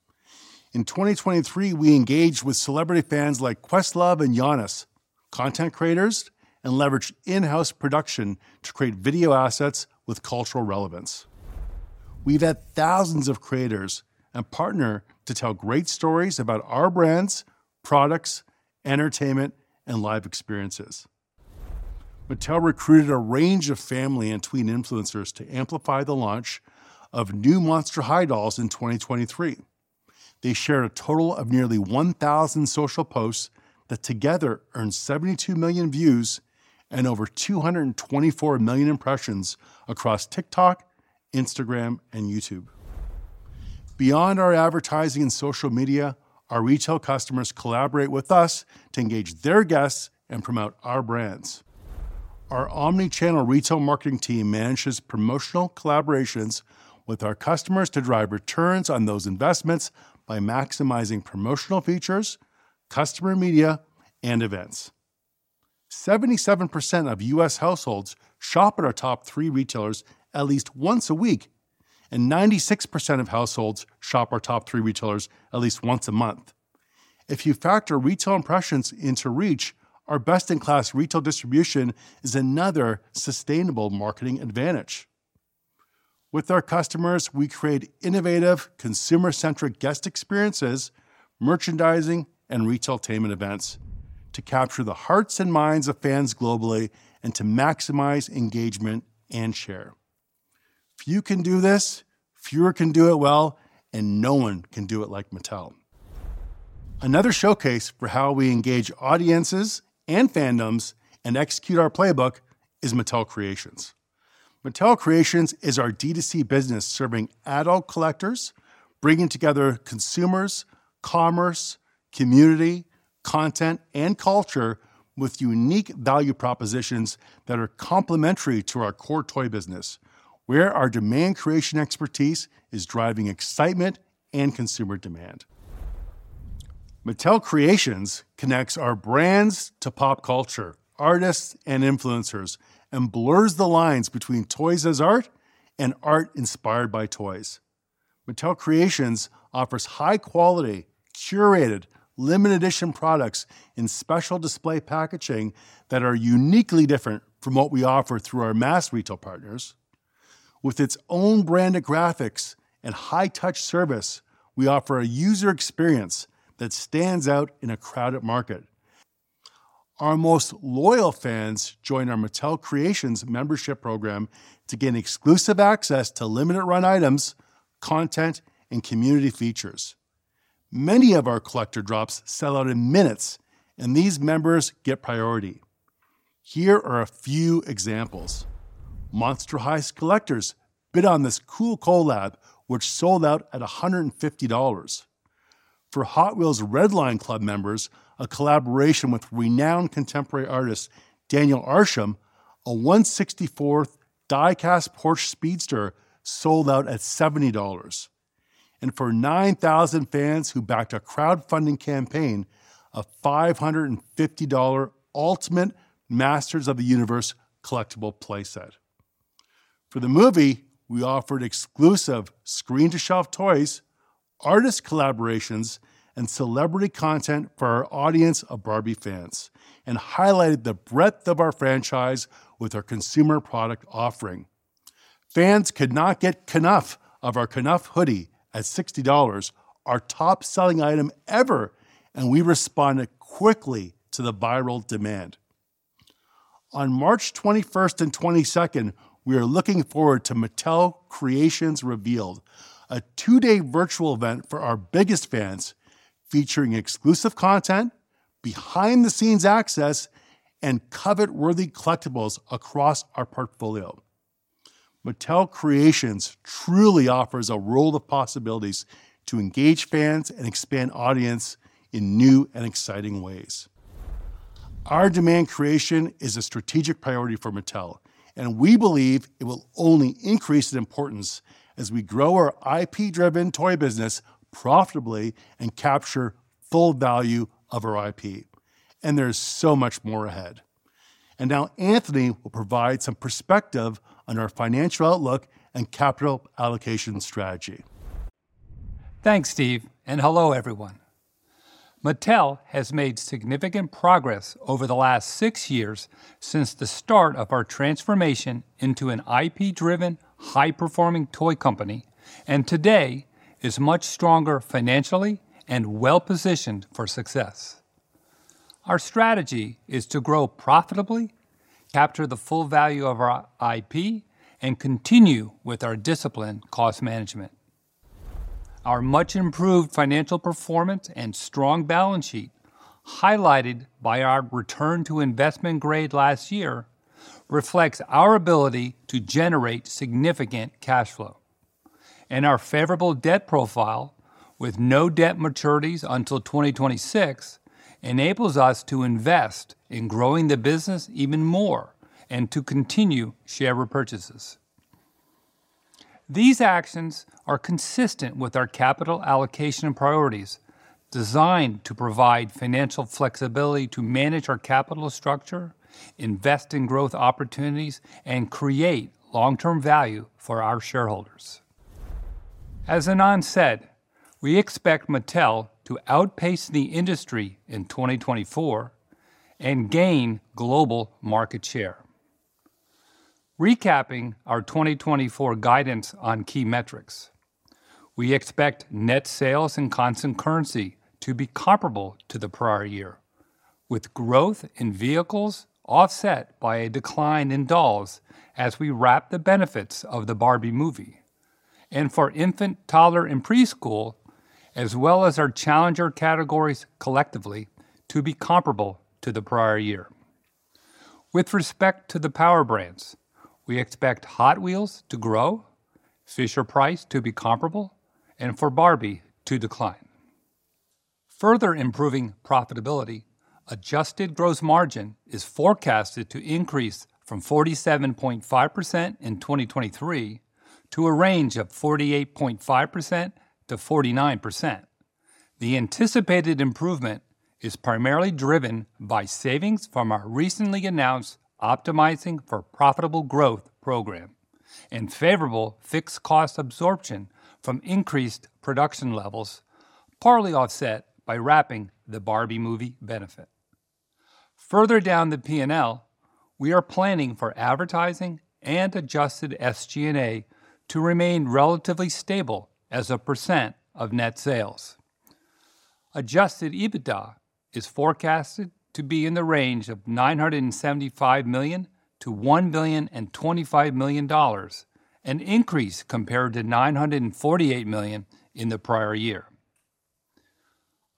In 2023, we engaged with celebrity fans like Questlove and Giannis, content creators, and leveraged in-house production to create video assets with cultural relevance. We've had thousands of creators and partners to tell great stories about our brands, products, entertainment, and live experiences. Mattel recruited a range of family and tween influencers to amplify the launch of new Monster High dolls in 2023. They shared a total of nearly 1,000 social posts that together earned 72 million views and over 224 million impressions across TikTok, Instagram, and YouTube. Beyond our advertising and social media, our retail customers collaborate with us to engage their guests and promote our brands. Our omnichannel retail marketing team manages promotional collaborations with our customers to drive returns on those investments by maximizing promotional features, customer media, and events. 77% of U.S. households shop at our top three retailers at least once a week, and 96% of households shop our top three retailers at least once a month. If you factor retail impressions into reach, our best-in-class retail distribution is another sustainable marketing advantage. With our customers, we create innovative, consumer-centric guest experiences, merchandising, and retailtainment events to capture the hearts and minds of fans globally and to maximize engagement and share. Few can do this, fewer can do it well, and no one can do it like Mattel. Another showcase for how we engage audiences and fandoms and execute our playbook is Mattel Creations. Mattel Creations is our D2C business serving adult collectors, bringing together consumers, commerce, community, content, and culture with unique value propositions that are complementary to our core toy business where our demand creation expertise is driving excitement and consumer demand. Mattel Creations connects our brands to pop culture, artists, and influencers, and blurs the lines between toys as art and art inspired by toys. Mattel Creations offers high-quality, curated, limited-edition products in special display packaging that are uniquely different from what we offer through our mass retail partners. With its own branded graphics and high-touch service, we offer a user experience that stands out in a crowded market. Our most loyal fans join our Mattel Creations membership program to gain exclusive access to limited-run items, content, and community features. Many of our collector drops sell out in minutes, and these members get priority. Here are a few examples. Monster High's collectors bid on this cool collab, which sold out at $150. For Hot Wheels Redline Club members, a collaboration with renowned contemporary artist Daniel Arsham, a 1/64th diecast Porsche Speedster sold out at $70. For 9,000 fans who backed a crowdfunding campaign, a $550 Ultimate Masters of the Universe collectible playset. For the movie, we offered exclusive screen-to-shelf toys, artist collaborations, and celebrity content for our audience of Barbie fans, and highlighted the breadth of our franchise with our consumer product offering. Fans could not get enough of our Kenough hoodie at $60, our top-selling item ever, and we responded quickly to the viral demand. On March 21st and 22nd, we are looking forward to Mattel Creations Revealed, a two-day virtual event for our biggest fans featuring exclusive content, behind-the-scenes access, and covet-worthy collectibles across our portfolio. Mattel Creations truly offers a world of possibilities to engage fans and expand audiences in new and exciting ways. Our demand creation is a strategic priority for Mattel, and we believe it will only increase in importance as we grow our IP-driven toy business profitably and capture full value of our IP. There's so much more ahead. Now Anthony will provide some perspective on our financial outlook and capital allocation strategy. Thanks, Steve, and hello, everyone. Mattel has made significant progress over the last six years since the start of our transformation into an IP-driven, high-performing toy company, and today is much stronger financially and well-positioned for success. Our strategy is to grow profitably, capture the full value of our IP, and continue with our disciplined cost management. Our much-improved financial performance and strong balance sheet, highlighted by our return to investment grade last year, reflects our ability to generate significant cash flow. Our favorable debt profile, with no debt maturities until 2026, enables us to invest in growing the business even more and to continue share repurchases. These actions are consistent with our capital allocation priorities designed to provide financial flexibility to manage our capital structure, invest in growth opportunities, and create long-term value for our shareholders. As Ynon said, we expect Mattel to outpace the industry in 2024 and gain global market share. Recapping our 2024 guidance on key metrics, we expect net sales and constant currency to be comparable to the prior year, with growth in vehicles offset by a decline in dolls as we wrap the benefits of the Barbie movie, and for Infant, Toddler, and Preschool, as well as our challenger categories collectively, to be comparable to the prior year. With respect to the power brands, we expect Hot Wheels to grow, Fisher-Price to be comparable, and for Barbie to decline. Further improving profitability, adjusted gross margin is forecasted to increase from 47.5% in 2023 to a range of 48.5% to 49%. The anticipated improvement is primarily driven by savings from our recently announced Optimizing for Profitable Growth program and favorable fixed-cost absorption from increased production levels, partly offset by wrapping the Barbie movie benefit. Further down the P&L, we are planning for advertising and adjusted SG&A to remain relatively stable as a % of net sales. Adjusted EBITDA is forecasted to be in the range of $975 million to $1.25 billion, an increase compared to $948 million in the prior year.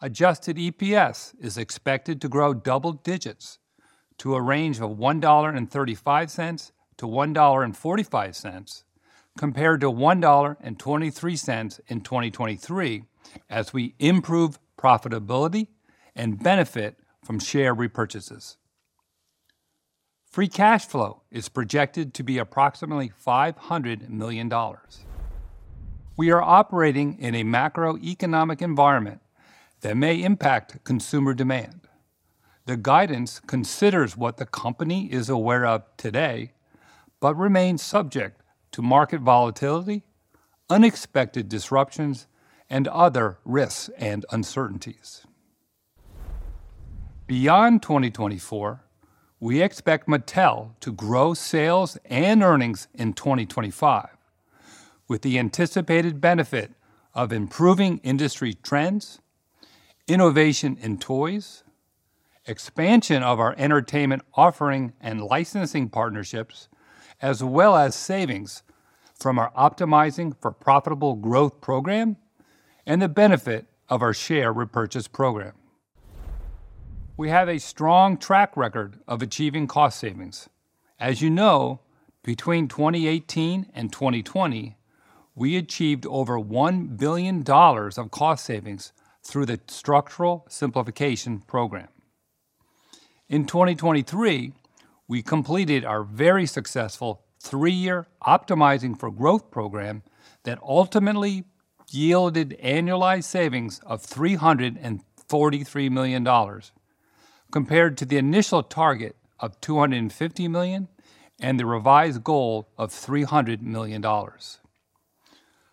Adjusted EPS is expected to grow double digits to a range of $1.35 to $1.45 compared to $1.23 in 2023 as we improve profitability and benefit from share repurchases. Free cash flow is projected to be approximately $500 million. We are operating in a macroeconomic environment that may impact consumer demand. The guidance considers what the company is aware of today but remains subject to market volatility, unexpected disruptions, and other risks and uncertainties. Beyond 2024, we expect Mattel to grow sales and earnings in 2025 with the anticipated benefit of improving industry trends, innovation in toys, expansion of our entertainment offering and licensing partnerships, as well as savings from our Optimizing for Profitable Growth program and the benefit of our share repurchase program. We have a strong track record of achieving cost savings. As you know, between 2018 and 2020, we achieved over $1 billion of cost savings through the Structural Simplification program. In 2023, we completed our very successful three-year Optimizing for Growth program that ultimately yielded annualized savings of $343 million compared to the initial target of $250 million and the revised goal of $300 million.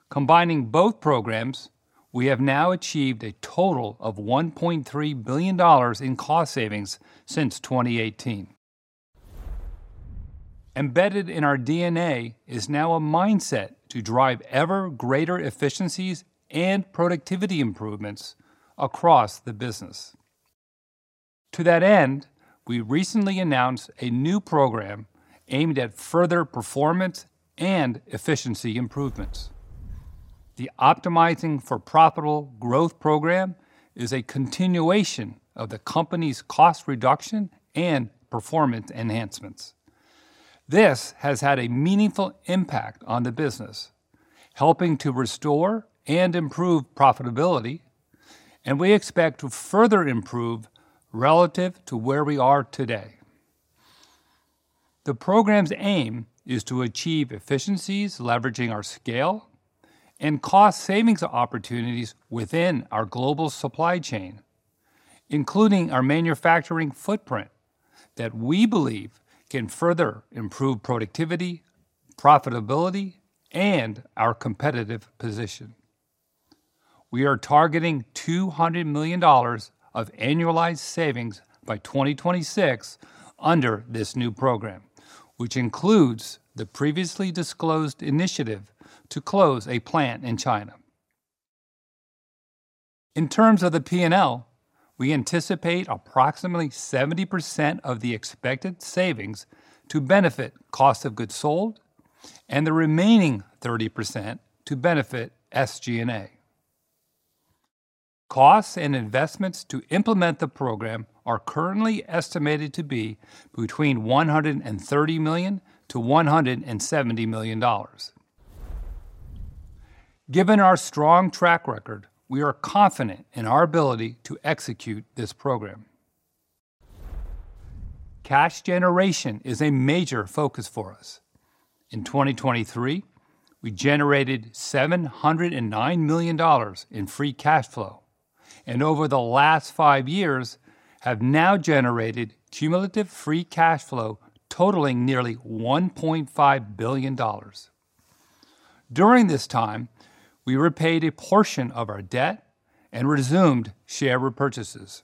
Combining both programs, we have now achieved a total of $1.3 billion in cost savings since 2018. Embedded in our DNA is now a mindset to drive ever-greater efficiencies and productivity improvements across the business. To that end, we recently announced a new program aimed at further performance and efficiency improvements. The Optimizing for Profitable Growth program is a continuation of the company's cost reduction and performance enhancements. This has had a meaningful impact on the business, helping to restore and improve profitability, and we expect to further improve relative to where we are today. The program's aim is to achieve efficiencies leveraging our scale and cost savings opportunities within our global supply chain, including our manufacturing footprint that we believe can further improve productivity, profitability, and our competitive position. We are targeting $200 million of annualized savings by 2026 under this new program, which includes the previously disclosed initiative to close a plant in China. In terms of the P&L, we anticipate approximately 70% of the expected savings to benefit cost of goods sold and the remaining 30% to benefit SG&A. Costs and investments to implement the program are currently estimated to be between $130 million-$170 million. Given our strong track record, we are confident in our ability to execute this program. Cash generation is a major focus for us. In 2023, we generated $709 million in free cash flow and over the last five years have now generated cumulative free cash flow totaling nearly $1.5 billion. During this time, we repaid a portion of our debt and resumed share repurchases.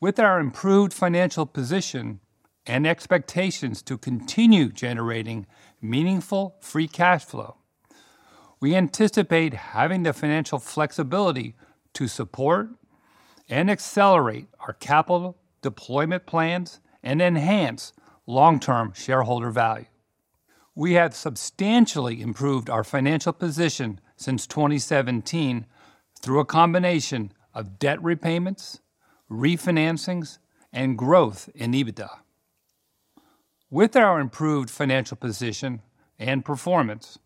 With our improved financial position and expectations to continue generating meaningful free cash flow, we anticipate having the financial flexibility to support and accelerate our capital deployment plans and enhance long-term shareholder value. We have substantially improved our financial position since 2017 through a combination of debt repayments, refinancings, and growth in EBITDA. With our improved financial position and performance,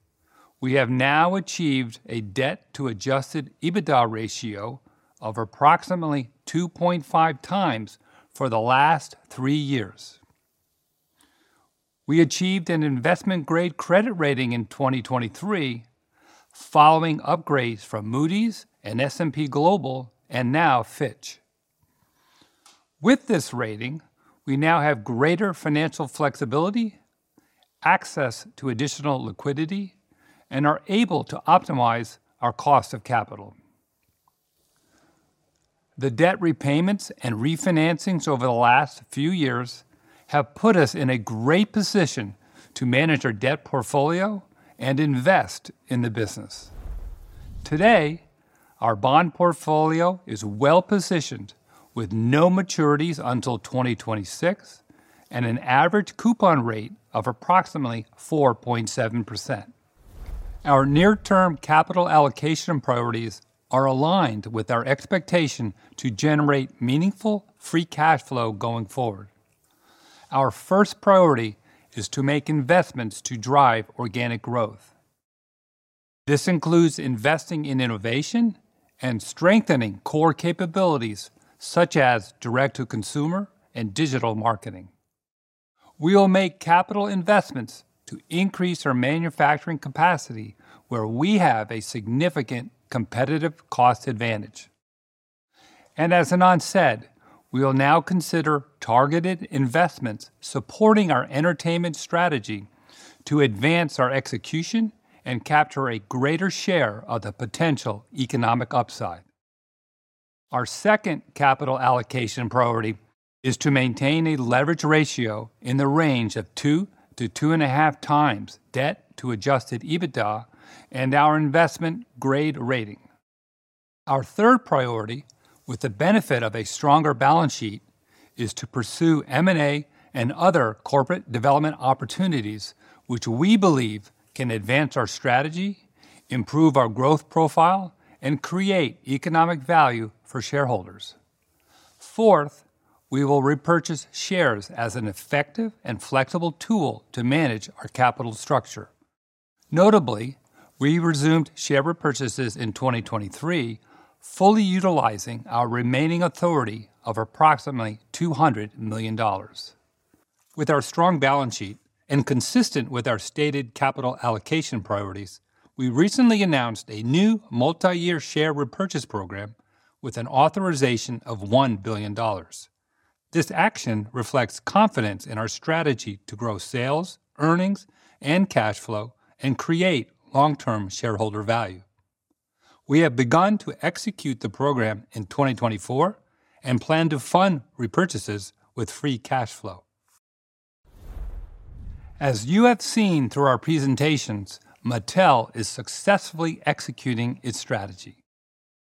we have now achieved a debt-to-adjusted EBITDA ratio of approximately 2.5 times for the last three years. We achieved an investment-grade credit rating in 2023 following upgrades from Moody's and S&P Global and now Fitch. With this rating, we now have greater financial flexibility, access to additional liquidity, and are able to optimize our cost of capital. The debt repayments and refinancings over the last few years have put us in a great position to manage our debt portfolio and invest in the business. Today, our bond portfolio is well-positioned with no maturities until 2026 and an average coupon rate of approximately 4.7%. Our near-term capital allocation priorities are aligned with our expectation to generate meaningful free cash flow going forward. Our first priority is to make investments to drive organic growth. This includes investing in innovation and strengthening core capabilities such as direct-to-consumer and digital marketing. We will make capital investments to increase our manufacturing capacity where we have a significant competitive cost advantage. And as Ynon said, we will now consider targeted investments supporting our entertainment strategy to advance our execution and capture a greater share of the potential economic upside. Our second capital allocation priority is to maintain a leverage ratio in the range of 2 to 2.5x debt-to-adjusted EBITDA and our investment-grade rating. Our third priority, with the benefit of a stronger balance sheet, is to pursue M&A and other corporate development opportunities, which we believe can advance our strategy, improve our growth profile, and create economic value for shareholders. Fourth, we will repurchase shares as an effective and flexible tool to manage our capital structure. Notably, we resumed share repurchases in 2023, fully utilizing our remaining authority of approximately $200 million. With our strong balance sheet and consistent with our stated capital allocation priorities, we recently announced a new multi-year share repurchase program with an authorization of $1 billion. This action reflects confidence in our strategy to grow sales, earnings, and cash flow and create long-term shareholder value. We have begun to execute the program in 2024 and plan to fund repurchases with free cash flow. As you have seen through our presentations, Mattel is successfully executing its strategy.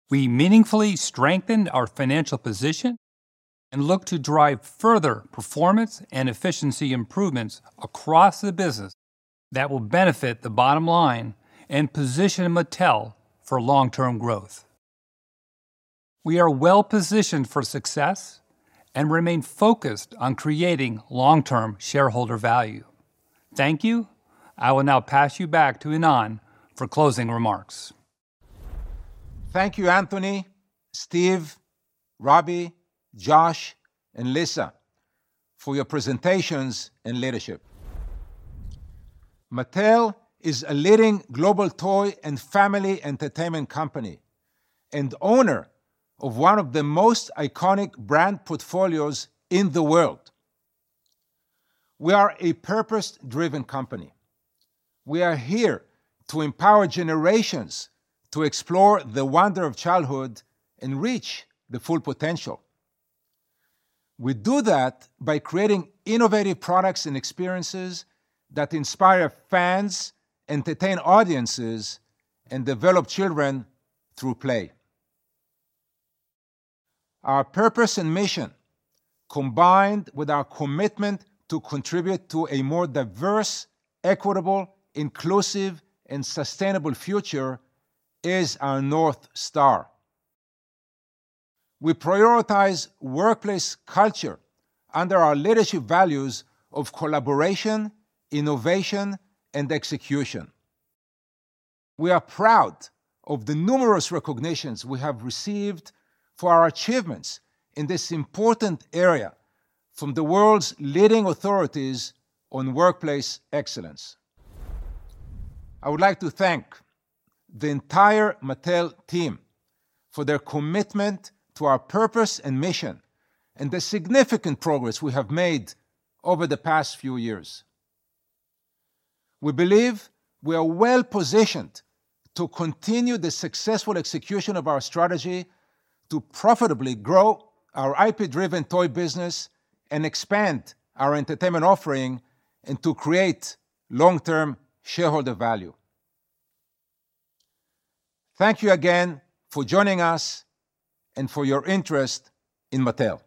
We meaningfully strengthened our financial position and look to drive further performance and efficiency improvements across the business that will benefit the bottom line and position Mattel for long-term growth. We are well-positioned for success and remain focused on creating long-term shareholder value. Thank you. I will now pass you back to Ynon for closing remarks. Thank you, Anthony, Steve, Robbie, Josh, and Lisa, for your presentations and leadership. Mattel is a leading global toy and family entertainment company and owner of one of the most iconic brand portfolios in the world. We are a purpose-driven company. We are here to empower generations to explore the wonder of childhood and reach the full potential. We do that by creating innovative products and experiences that inspire fans, entertain audiences, and develop children through play. Our purpose and mission, combined with our commitment to contribute to a more diverse, equitable, inclusive, and sustainable future, is our North Star. We prioritize workplace culture under our leadership values of collaboration, innovation, and execution. We are proud of the numerous recognitions we have received for our achievements in this important area from the world's leading authorities on workplace excellence. I would like to thank the entire Mattel team for their commitment to our purpose and mission and the significant progress we have made over the past few years. We believe we are well-positioned to continue the successful execution of our strategy to profitably grow our IP-driven toy business and expand our entertainment offering and to create long-term shareholder value. Thank you again for joining us and for your interest in Mattel.